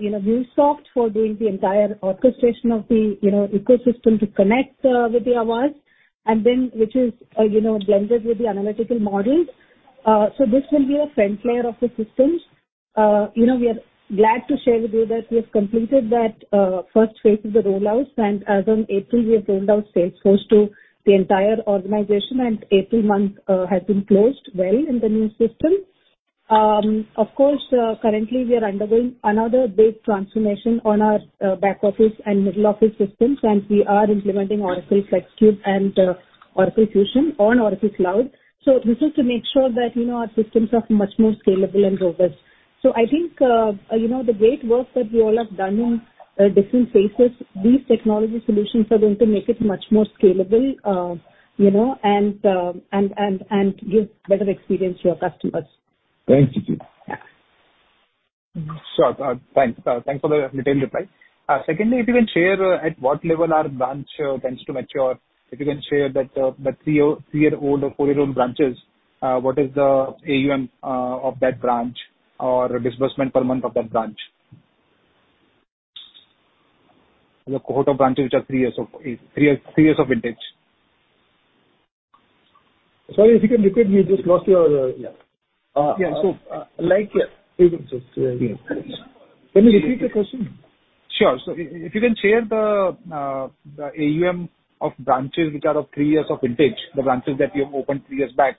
you know, MuleSoft for doing the entire orchestration of the, you know, ecosystem to connect with the Aavas, and then which is, you know, blended with the analytical models. This will be a front layer of the systems. You know, we are glad to share with you that we have completed that first phase of the rollout. As on April, we have rolled out Salesforce to the entire organization, and April month has been closed well in the new system. Of course, currently we are undergoing another big transformation on our back office and middle office systems, and we are implementing Oracle FLEXCUBE and Oracle Fusion on Oracle Cloud. This is to make sure that, you know, our systems are much more scalable and robust. I think, you know, the great work that you all have done in different phases, these technology solutions are going to make it much more scalable, you know, and give better experience to our customers. Thank you. Yeah. Sure. Thanks. Thanks for the detailed reply. Secondly, if you can share, at what level our branch tends to mature. If you can share that, the three-year-old or four-year-old branches, what is the AUM of that branch or disbursement per month of that branch? The cohort of branches which are three years of vintage. Sorry, if you can repeat. We just lost your, ... Yeah. Uh, so, uh, like- Yeah. Can you repeat the question? Sure. If you can share the AUM of branches which are of three years of vintage, the branches that you have opened three years back,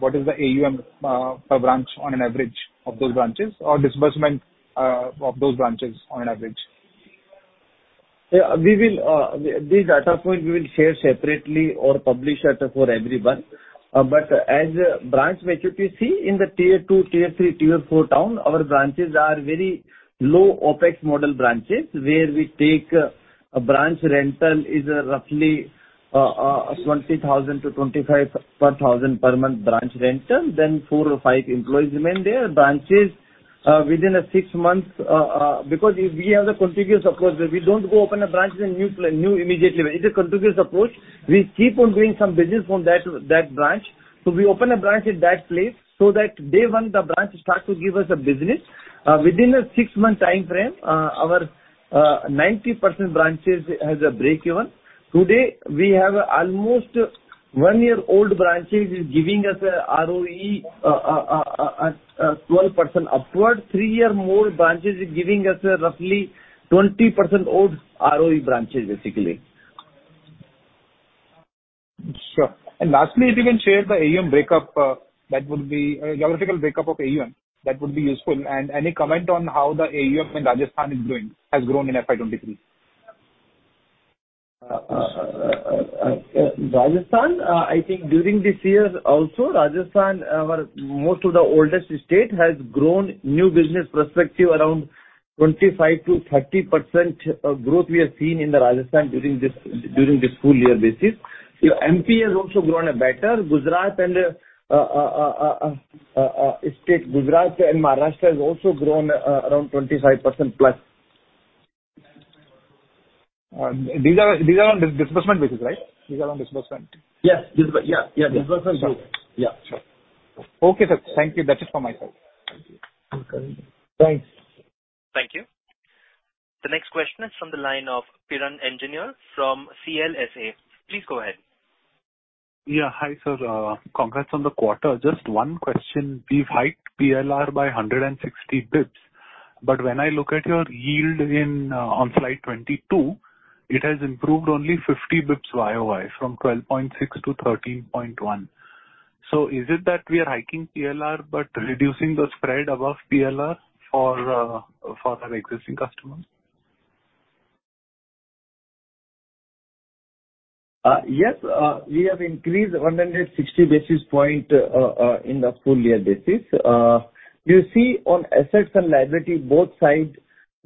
what is the AUM per branch on an average of those branches or disbursement of those branches on an average? We will this data point we will share separately or publish it for everyone. As a branch maturity, in the tier two, tier three, tier four town, our branches are very low OpEx model branches, where we take a branch rental is roughly 20,000 to 25 per thousand per month branch rental. four or five employees remain there. Branches within six months. Because if we have the contiguous approach, we don't go open a branch in new immediately. It's a contiguous approach. We keep on doing some business from that branch. We open a branch in that place so that day one the branch starts to give us a business. Within a six month timeframe, our 90% branches has a breakeven. Today, we have almost one-year-old branches is giving us a ROE, 12% upward. Three-year and more branches is giving us roughly 20% odd ROE branches, basically. Sure. Lastly, if you can share the AUM breakup, that would be, geographical breakup of AUM, that would be useful. Any comment on how the AUM in Rajasthan is doing, has grown in FY 2023. Rajasthan, I think during this year also, Rajasthan, our most of the oldest state has grown new business prospective around 25%-30% of growth we have seen in the Rajasthan during this full year basis. MP has also grown better. Gujarat and state Gujarat and Maharashtra has also grown around 25%+. These are on disbursement basis, right? These are on disbursement? Yes. Disburse. Yeah, yeah. Disbursement. Sure. Yeah. Sure. Okay, sir. Thank you. That is from my side. Okay. Thanks. Thank you. The next question is from the line of Piran Engineer from CLSA. Please go ahead. Yeah. Hi, sir. Congrats on the quarter. Just one question. We've hiked PLR by 160 basis points, when I look at your yield in FY2022, it has improved only 50 basis points YoY from 12.6 to 13.1. Is it that we are hiking PLR but reducing the spread above PLR for our existing customers? Yes. We have increased 160 basis point in the full year basis. You see on assets and liability, both sides,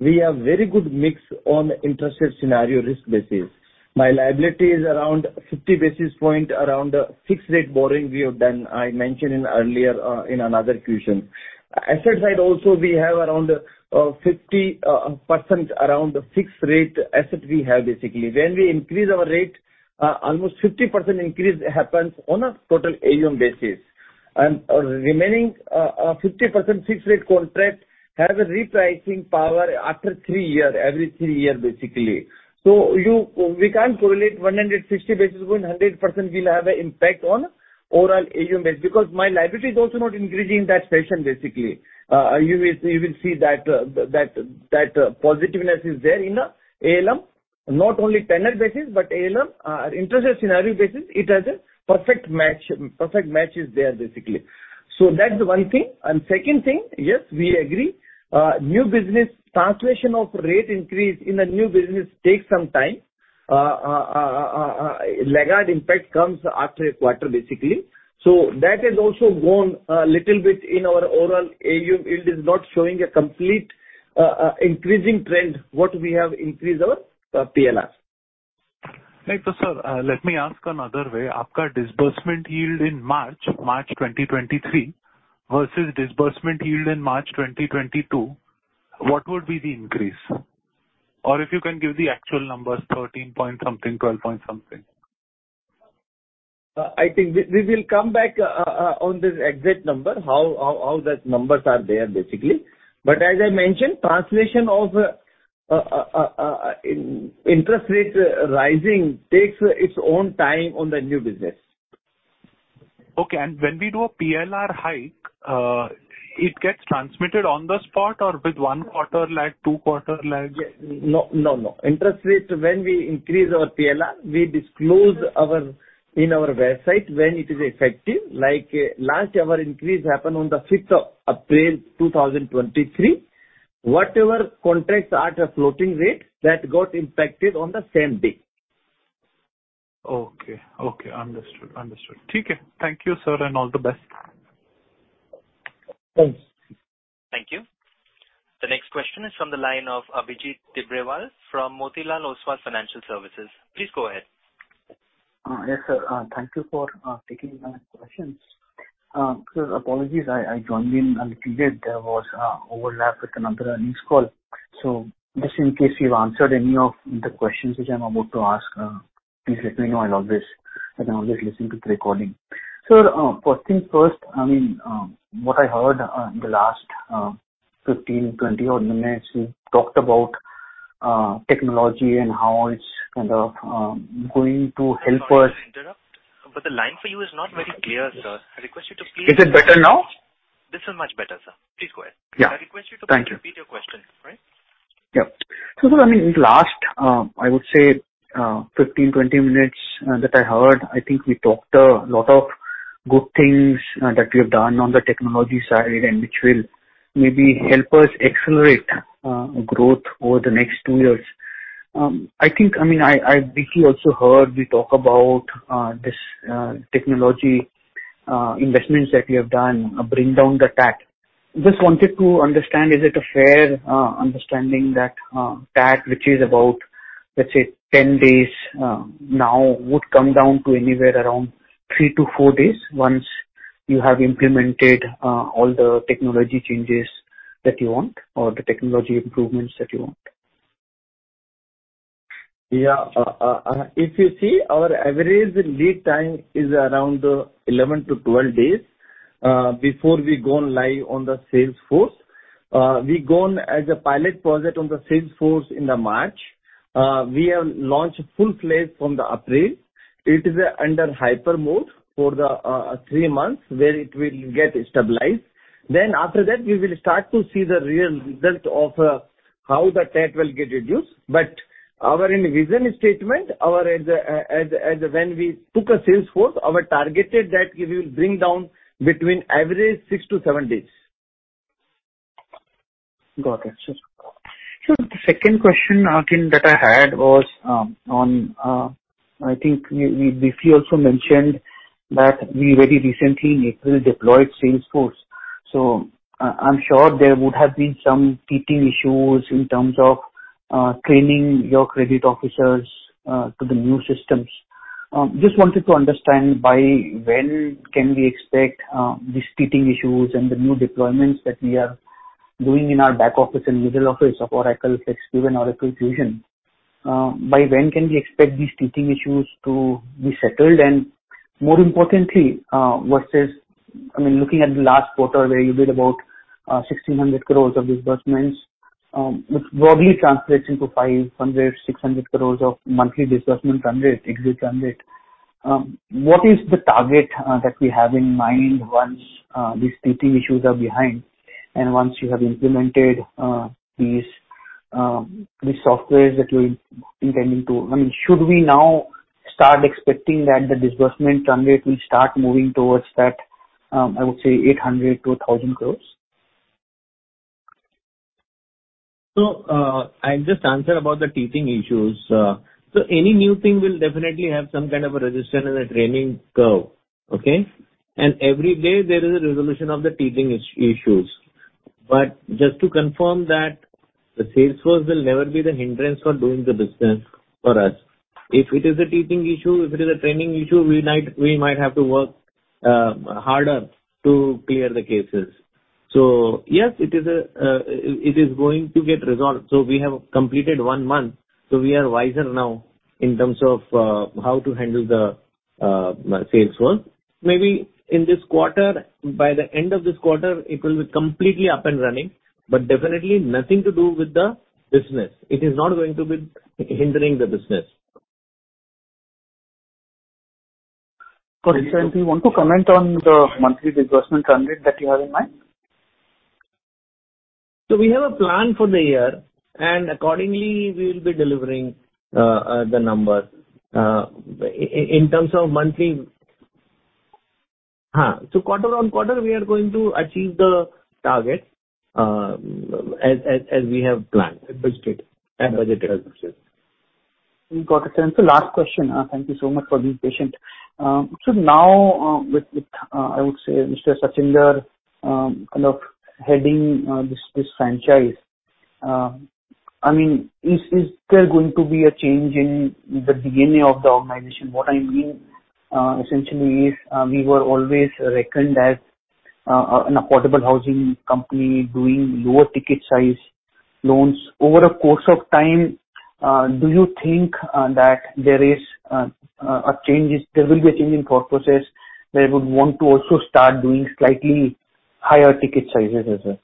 we have very good mix on interest rate scenario risk basis. My liability is around 50 basis point around the fixed rate borrowing we have done, I mentioned in earlier in another question. Asset side also we have around 50% around the fixed rate asset we have basically. When we increase our rate, almost 50% increase happens on a total AUM basis. Remaining 50% fixed rate contract have a repricing power after three year, every three year basically. We can't correlate 150 basis point. 100% will have a impact on overall AUM base because my liability is also not increasing that fashion basically. You will see that positiveness is there in a ALM, not only tenure basis, but ALM, interest rate scenario basis, it has a perfect match is there basically. That's one thing. Second thing, yes, we agree, new business translation of rate increase in a new business takes some time. Lagged impact comes after a quarter basically. That has also gone a little bit in our overall AUM yield. It is not showing a complete increasing trend what we have increased our PLRs. Right. Sir, let me ask another way. Aapka disbursement yield in March 2023 versus disbursement yield in March 2022, what would be the increase? If you can give the actual numbers, 13 point something, 12 point something. I think we will come back on this exact number, how that numbers are there basically. As I mentioned, translation of interest rate rising takes its own time on the new business. Okay. When we do a PLR hike, it gets transmitted on the spot or with 1 quarter lag, two quarter lag? No, no. Interest rate, when we increase our PLR, we disclose in our website when it is effective. Like last our increase happened on the fifth of April two thousand twenty-three. Whatever contracts are at a floating rate that got impacted on the same day. Okay. Okay. Understood. Understood. Thank you, sir, and all the best. Thanks. Thank you. The next question is from the line of Abhijit Tibrewal from Motilal Oswal Financial Services. Please go ahead. Yes, sir. Thank you for taking my questions. Sir, apologies, I joined in a little late. There was a overlap with another earnings call. Just in case you've answered any of the questions which I'm about to ask, please let me know. I'll always, I can always listen to the recording. Sir, first things first, I mean, what I heard in the last 15, 20 odd minutes, you talked about technology and how it's kind of going to help us- Sorry to interrupt, but the line for you is not very clear, sir. I request you to. Is it better now? This is much better, sir. Please go ahead. Yeah. I request you to- Thank you. repeat your question. Right. Yeah. sir, I mean, in the last, I would say, 15, 20 minutes, that I heard, I think we talked a lot of good things that we have done on the technology side and which will maybe help us accelerate growth over the next two years. I think. I mean, I briefly also heard we talk about this technology investments that we have done, bring down the TAT. Just wanted to understand, is it a fair understanding that TAT, which is about, let's say, 10 days, now would come down to anywhere around three to four days once you have implemented all the technology changes that you want or the technology improvements that you want? If you see our average lead time is around 11days-12 days, before we go live on the Salesforce. We gone as a pilot project on the Salesforce in the March. We have launched full-fledged from the April. It is under hyper mode for the three months where it will get stabilized. After that, we will start to see the real result of how the TAT will get reduced. Our envision statement, our as when we took a Salesforce, our targeted that we will bring down between average six days-seven days. Got it. Sure, sure. Sir, the second question that I had was on, I think we briefly also mentioned that we very recently in April deployed Salesforce. I'm sure there would have been some teething issues in terms of training your credit officers to the new systems. Just wanted to understand by when can we expect these teething issues and the new deployments that we are doing in our back office and middle office of Oracle FLEXCUBE and Oracle Fusion. By when can we expect these teething issues to be settled? More importantly, versus, I mean, looking at the last quarter where you did about 1,600 crores of disbursements, which broadly translates into 500-600 crores of monthly disbursement run rate, exit run rate. What is the target that we have in mind once these teething issues are behind, and once you have implemented these these softwares that you're intending to, I mean, should we now start expecting that the disbursement run rate will start moving towards that, I would say 800 crores-1,000 crores? I just answered about the teething issues. Any new thing will definitely have some kind of a resistance and a training curve. Okay? Every day there is a resolution of the teething issues. Just to confirm that the Salesforce will never be the hindrance for doing the business for us. If it is a teething issue, if it is a training issue, we might have to work harder to clear the cases. Yes, it is going to get resolved. We have completed one month, so we are wiser now in terms of how to handle the Salesforce. Maybe in this quarter, by the end of this quarter, it will be completely up and running, but definitely nothing to do with the business. It is not going to be hindering the business. Got it. Sir, do you want to comment on the monthly disbursement run rate that you have in mind? We have a plan for the year, and accordingly, we will be delivering the number in terms of monthly. Quarter-on-quarter we are going to achieve the target as we have planned. As budgeted. As budgeted. Got it. Last question. Thank you so much for being patient. Now, with I would say Mr. Sachinder kind of heading this franchise, I mean, is there going to be a change in the DNA of the organization? What I mean, essentially is, we were always reckoned as an affordable housing company doing lower ticket size loans. Over a course of time, do you think that there will be a change in thought process where you would want to also start doing slightly higher ticket sizes as well?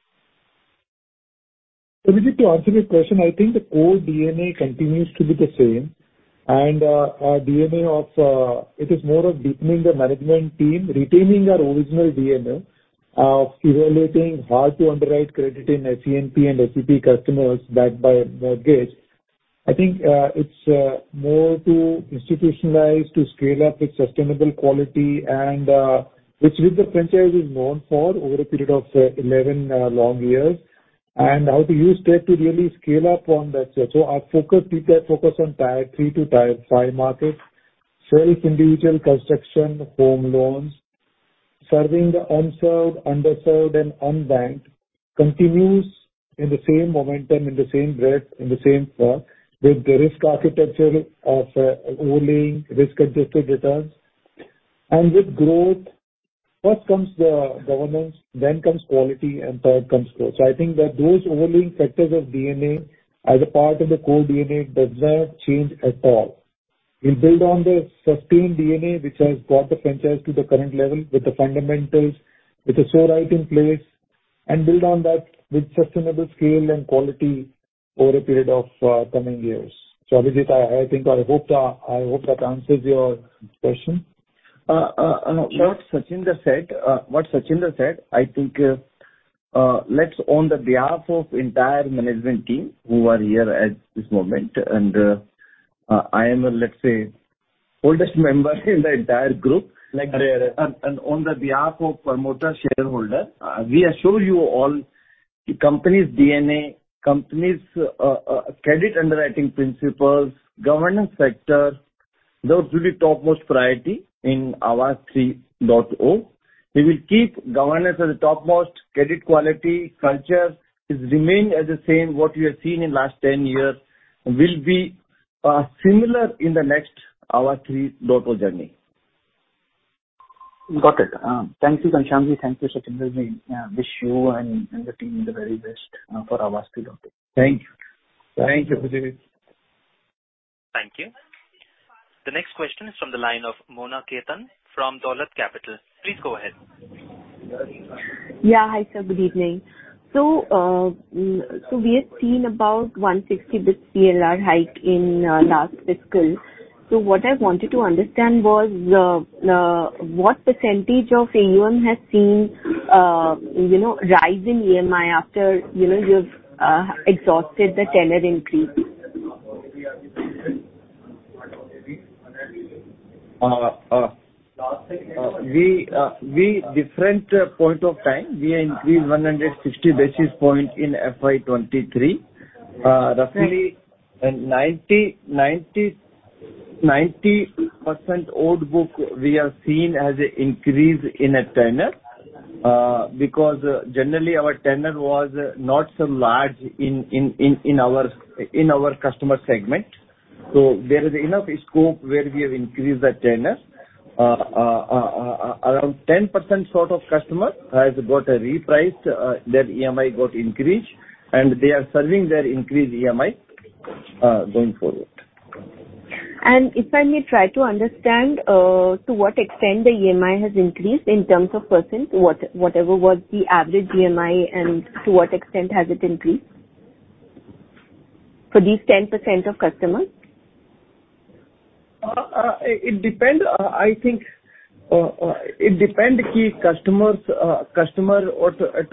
Just to answer your question, I think the core DNA continues to be the same and our DNA of it is more of deepening the management team, retaining our original DNA of evaluating how to underwrite credit in C&P and ACP customers backed by mortgage. I think it's more to institutionalize, to scale up its sustainable quality and which is the franchise is known for over a period of 11 long years, and how to use that to really scale up on that. Our focus on tier three to tier five markets, self-individual construction home loans, serving the unserved, underserved, and unbanked continues in the same momentum, in the same breadth, in the same form, with the risk architecture of overlaying risk-adjusted returns. With growth, first comes the governance, then comes quality, and third comes growth. I think that those overlaying factors of DNA as a part of the core DNA does not change at all. We build on the sustained DNA, which has brought the franchise to the current level with the fundamentals, with the so right in place, and build on that with sustainable scale and quality over a period of coming years. Abhijit, I think or hope that answers your question. What Sachindra said, I think, let's on the behalf of entire management team who are here at this moment, and I am, let's say, oldest member in the entire group. Like, on the behalf of promoter shareholder, we assure you all the company's DNA, company's credit underwriting principles, governance sector, those will be topmost priority in Aavas 3.0. We will keep governance as the topmost. Credit quality, culture is remain as the same. What we have seen in last 10 years will be similar in the next Aavas 3.0 journey. Got it. Thank you, Shashyan. Thank you, Sachindra. We wish you and the team the very best for Aavas 3.0. Thank you. Thank you, Abhijit. Thank you. The next question is from the line of Mona Khetan from Dolat Capital. Please go ahead. Yeah. Hi, sir. Good evening. We have seen about 160 bits PLR hike in last fiscal. What I wanted to understand was what percent of AUM has seen, you know, rise in EMI after, you know, you've exhausted the tenor increase. We different point of time, we increased 150 basis points in FY 2023. Right. 90% old book we have seen has an increase in a tenor, because generally our tenor was not so large in our customer segment. There is enough scope where we have increased the tenor. Around 10% sort of customer has got a reprice, their EMI got increased, and they are serving their increased EMI, going forward. If I may try to understand, to what extent the EMI has increased in terms of percent, whatever was the average EMI and to what extent has it increased for these 10% of customers? It depend, I think, it depend ki customer at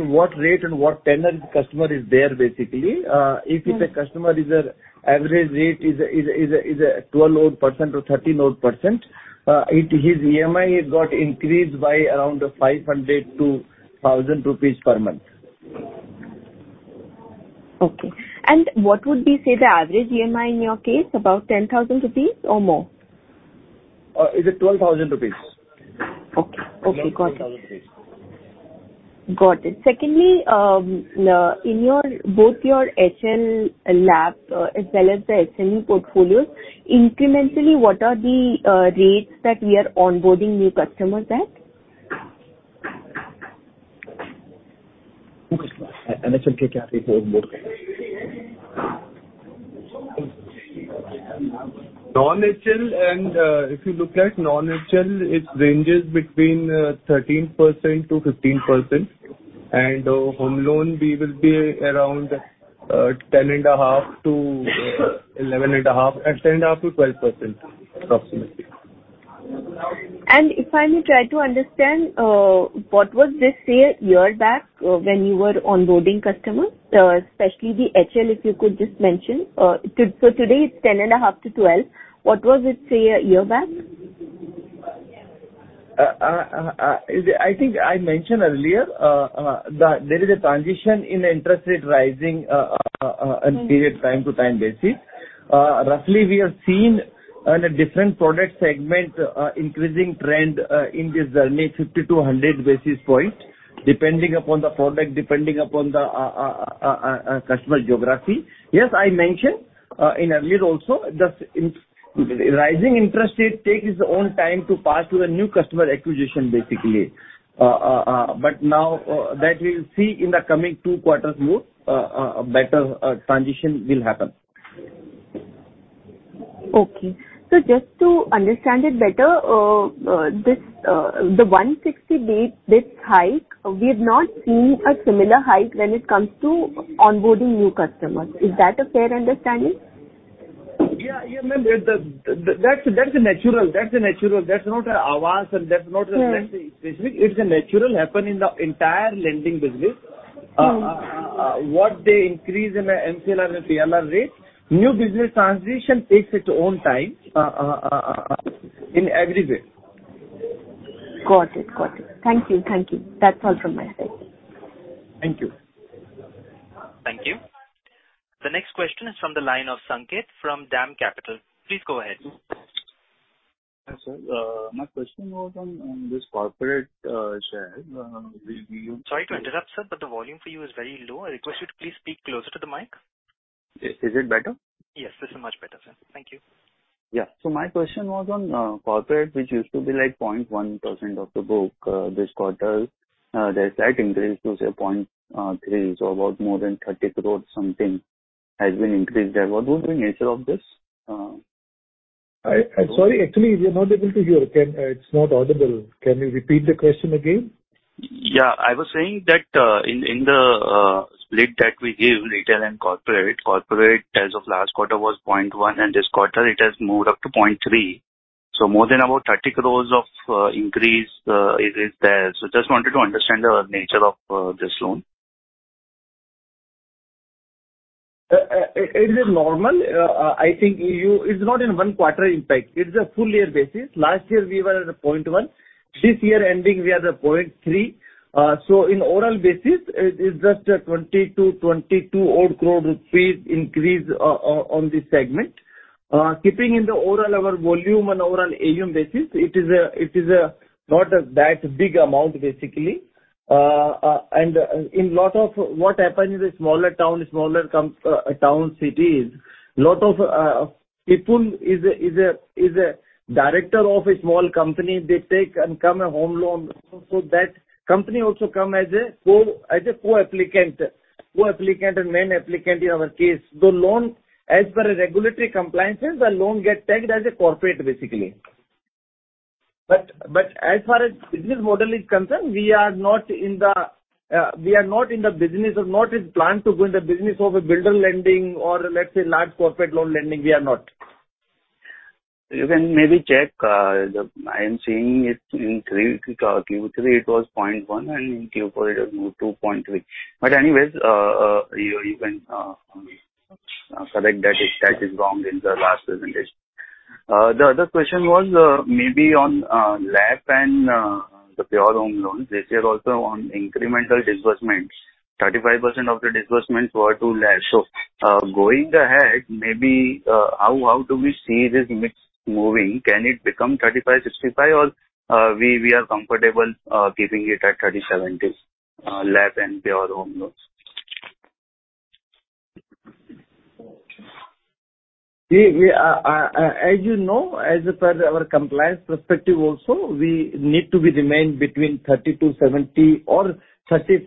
what rate and what tenor customer is there, basically. Mm-hmm. if it's a customer is a average rate is a 12% odd or 13% odd, his EMI has got increased by around 500-1,000 rupees per month. Okay. What would be, say, the average EMI in your case? About 10,000 rupees or more? Uh, is it twelve thousand rupees. Okay. Okay. Got it. Around INR 12,000. Got it. Secondly, in your, both your HL lab, as well as the HNU portfolios, incrementally, what are the rates that we are onboarding new customers at? Non-HL, if you look at non-HL, it ranges between 13%-15%. Home loan, we will be around 10.5%-12%, approximately. If I may try to understand, what was this, say, a year back, when you were onboarding customers, especially the HL, if you could just mention. Today it's 10.5%-12%. What was it, say, a year back? I think I mentioned earlier that there is a transition in interest rate rising. Mm-hmm. in period time to time basis. Roughly, we have seen on a different product segment, increasing trend in this journey 50 to 100 basis points, depending upon the product, depending upon the customer geography. Yes, I mentioned earlier also, the rising interest rate takes its own time to pass through the new customer acquisition, basically. Now, that we'll see in the coming 2 quarters more, a better transition will happen. Just to understand it better, the 160 base, this hike, we have not seen a similar hike when it comes to onboarding new customers. Is that a fair understanding? Yeah. Ma'am, the that's natural. That's natural. That's not a advance, that's not a. Mm-hmm. let's say, specific. It's a natural happen in the entire lending business. What they increase in the MCLR and PLR rate, new business transition takes its own time, in every way. Got it. Got it. Thank you. Thank you. That's all from my side. Thank you. Thank you. The next question is from the line of Sanket from Dam Capital. Please go ahead. Yes, sir. My question was on this corporate share. We Sorry to interrupt, sir, but the volume for you is very low. I request you to please speak closer to the mic. Is it better? Yes, this is much better, sir. Thank you. Yeah. My question was on corporate, which used to be like 0.1% of the book this quarter. There's slight increase to say 0.3%, so about more than 30 crores something has been increased there. What was the nature of this? I sorry. Actually, we are not able to hear. It's not audible. Can you repeat the question again? I was saying that, in the split that we give retail and corporate as of last quarter was 0.1, and this quarter it has moved up to 0.3. More than about 30 crores of increase is there. Just wanted to understand the nature of this loan. It is normal. I think you... It's not in 1 quarter impact. It's a full year basis. Last year we were at a 0.1. This year ending we are at 0.3. In overall basis it is just an 20-22 crore rupees increase on this segment. Keeping in the overall our volume and overall AUM basis, it is not that big amount basically. And, in lot of what happens is smaller town, smaller town cities, lot of people is a director of a small company. They take and come a home loan, so that company also come as a co-applicant. Co-applicant and main applicant in our case. The loan, as per the regulatory compliances, the loan get tagged as a corporate, basically. As far as business model is concerned, we are not in the business of, nor is plan to go in the business of a builder lending or let's say large corporate loan lending. We are not. You can maybe check. I am seeing it in Q3 it was 0.1, and in Q4 it has moved to 0.3. Anyways, you can correct that. That is wrong in the last presentation. The other question was maybe on LAF and the pure home loans. This year also on incremental disbursements, 35% of the disbursements were to LAF. Going ahead, maybe, how do we see this mix moving? Can it become 35-65 or we are comfortable keeping it at 30-70s, LAF and pure home loans? We are, as you know, as per our compliance perspective also, we need to be remain between 30-70 or 35-65,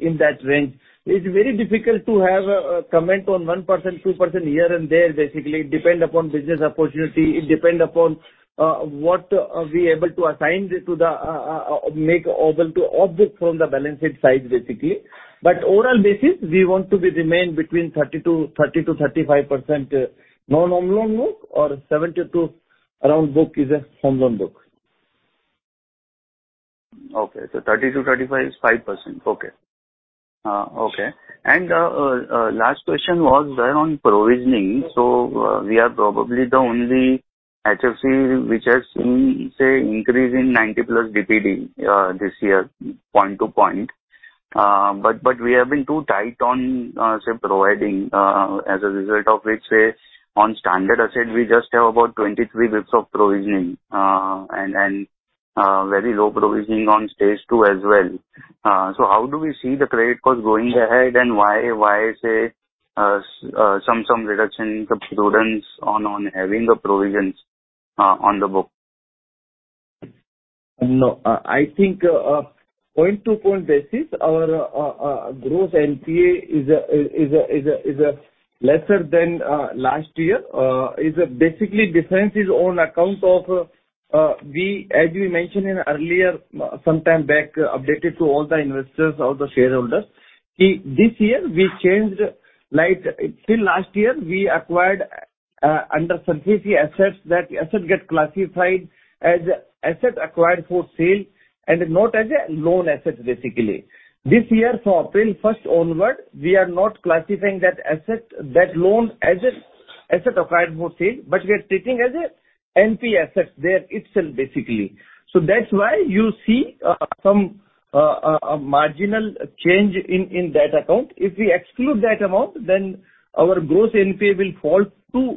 in that range. It's very difficult to have a comment on 1%, 2% here and there. Basically, it depend upon business opportunity. It depend upon what we able to assign it to the make available to off it from the balance sheet side basically. Overall basis, we want to be remain between 30-35% non-home loan book or 70 to around book is a home loan book. Okay. 30-35 is 5%. Okay. Okay. Last question was there on provisioning. We are probably the only HFC which has seen, say, increase in 90-plus DPD this year, point to point. But we have been too tight on, say, providing, as a result of which, say, on standard asset we just have about 23 bits of provisioning, and very low provisioning on stage two as well. How do we see the credit cost going ahead, and why, say, some reduction in the prudence on having the provisions on the book? No. I think, point-to-point basis our gross NPA is a lesser than last year. Basically difference is on account of, we as we mentioned in earlier, sometime back, updated to all the investors, all the shareholders, this year we changed like. Till last year we acquired, under sub-GC assets, that asset get classified as asset acquired for sale and not as a loan asset, basically. This year, from April 1st onward, we are not classifying that asset, that loan as a asset acquired for sale, but we are taking as a NPA asset there itself, basically. That's why you see some marginal change in that account. If we exclude that amount, then our gross NPA will fall to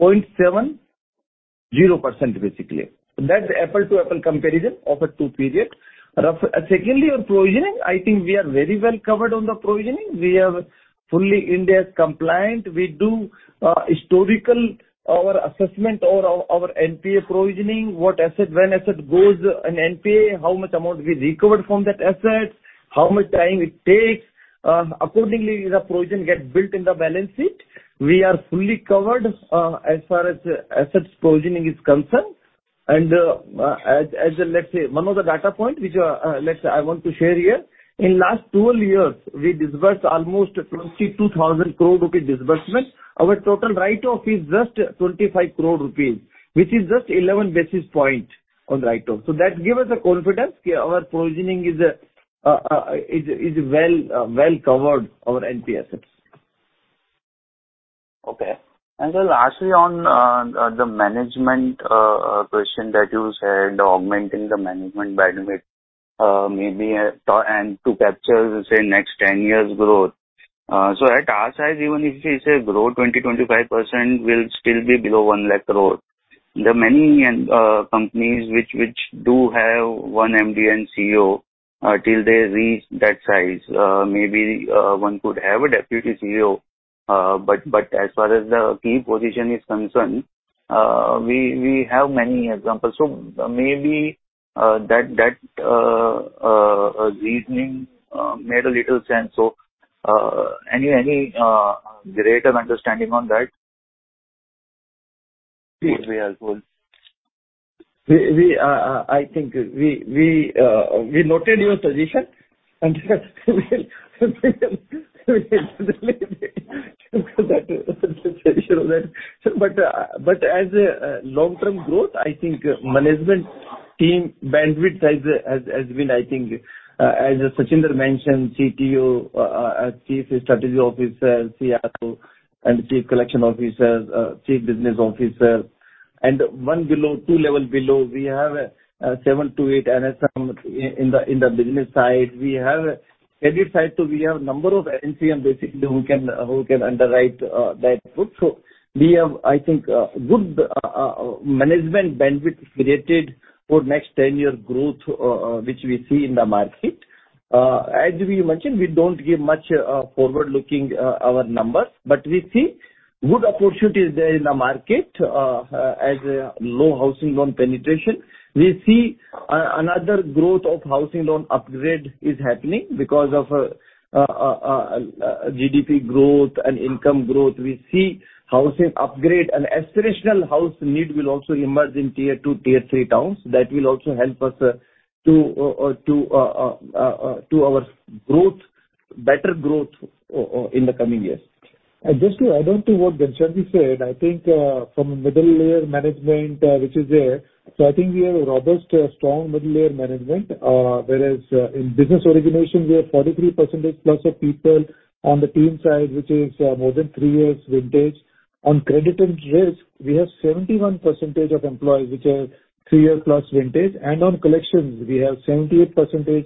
0.70%, basically. That's Apple to Apple comparison of a 2 period. Secondly, on provisioning, I think we are very well covered on the provisioning. We are fully Ind AS compliant. We do historical our assessment or our NPA provisioning, what asset, when asset goes an NPA, how much amount we recovered from that asset, how much time it takes. Accordingly the provision get built in the balance sheet. We are fully covered as far as assets provisioning is concerned. As let's say, one of the data point which let's say I want to share here. In last 12 years, we disbursed almost 22,000 crore rupee disbursement. Our total write-off is just 25 crore rupees, which is just 11 basis points on write-off. That give us the confidence our provisioning is well covered our NPA assets. Okay. Lastly on the management question that you said, augmenting the management bandwidth, maybe to capture, say, next 10 years growth. At our size, even if we say grow 20%-25% will still be below 1 lakh crore. There are many companies which do have one MD and CEO till they reach that size. Maybe one could have a deputy CEO. But as far as the key position is concerned, we have many examples. Maybe that reasoning made a little sense. Any greater understanding on that? We, I think we noted your suggestion and but as a long-term growth, I think management team bandwidth has been, I think, as Sachinder mentioned, CTO, Chief Strategy Officer, CFO and Chief Collection Officer, Chief Business Officer, and one below, two level below, we have 7 to 8 NSM in the business side. We have credit side too. We have number of NCM basically who can underwrite that book. We have, I think, good management bandwidth created for next 10-year growth, which we see in the market. We mentioned, we don't give much forward-looking our numbers, but we see good opportunities there in the market as a low housing loan penetration. We see another growth of housing loan upgrade is happening because of GDP growth and income growth. We see housing upgrade and aspirational house need will also emerge in tier two, tier three towns. That will also help us to our growth, better growth in the coming years. Just to add on to what Ghanshyamji said, I think, from a middle layer management, which is there. I think we have a robust, strong middle layer management. Whereas in business origination we have 43% plus of people on the team side, which is more than 3 years vintage. On credit and risk we have 71% of employees which are 3-year plus vintage. On collections we have 78%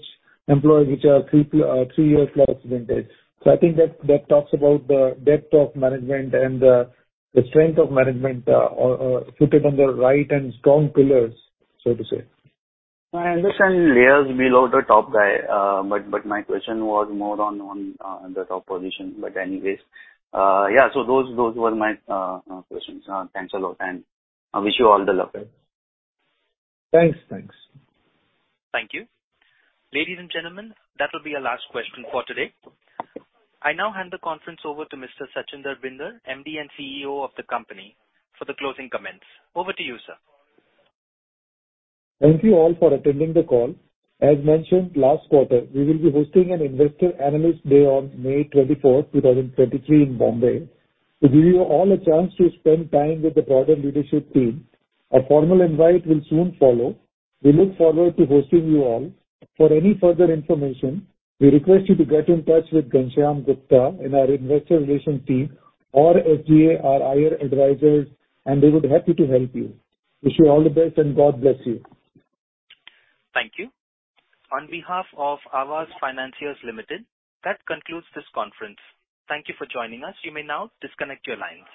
employees which are 3-year plus vintage. I think that talks about the depth of management and the strength of management, fitted on the right and strong pillars, so to say. I understand layers below the top guy. But my question was more on the top position. Anyways, yeah, so those were my questions. Thanks a lot, and I wish you all the luck. Thanks. Thanks. Thank you. Ladies and gentlemen, that will be our last question for today. I now hand the conference over to Mr. Sachinder Bhinder, MD and CEO of the company, for the closing comments. Over to you, sir. Thank you all for attending the call. As mentioned last quarter, we will be hosting an investor analyst day on May 24, 2023 in Bombay to give you all a chance to spend time with the broader leadership team. A formal invite will soon follow. We look forward to hosting you all. For any further information, we request you to get in touch with Ghanshyam Gupta in our investor relations team or SGA, our IR advisors, and they would happy to help you. Wish you all the best and God bless you. Thank you. On behalf of Aavas Financiers Limited, that concludes this conference. Thank you for joining us. You may now disconnect your lines.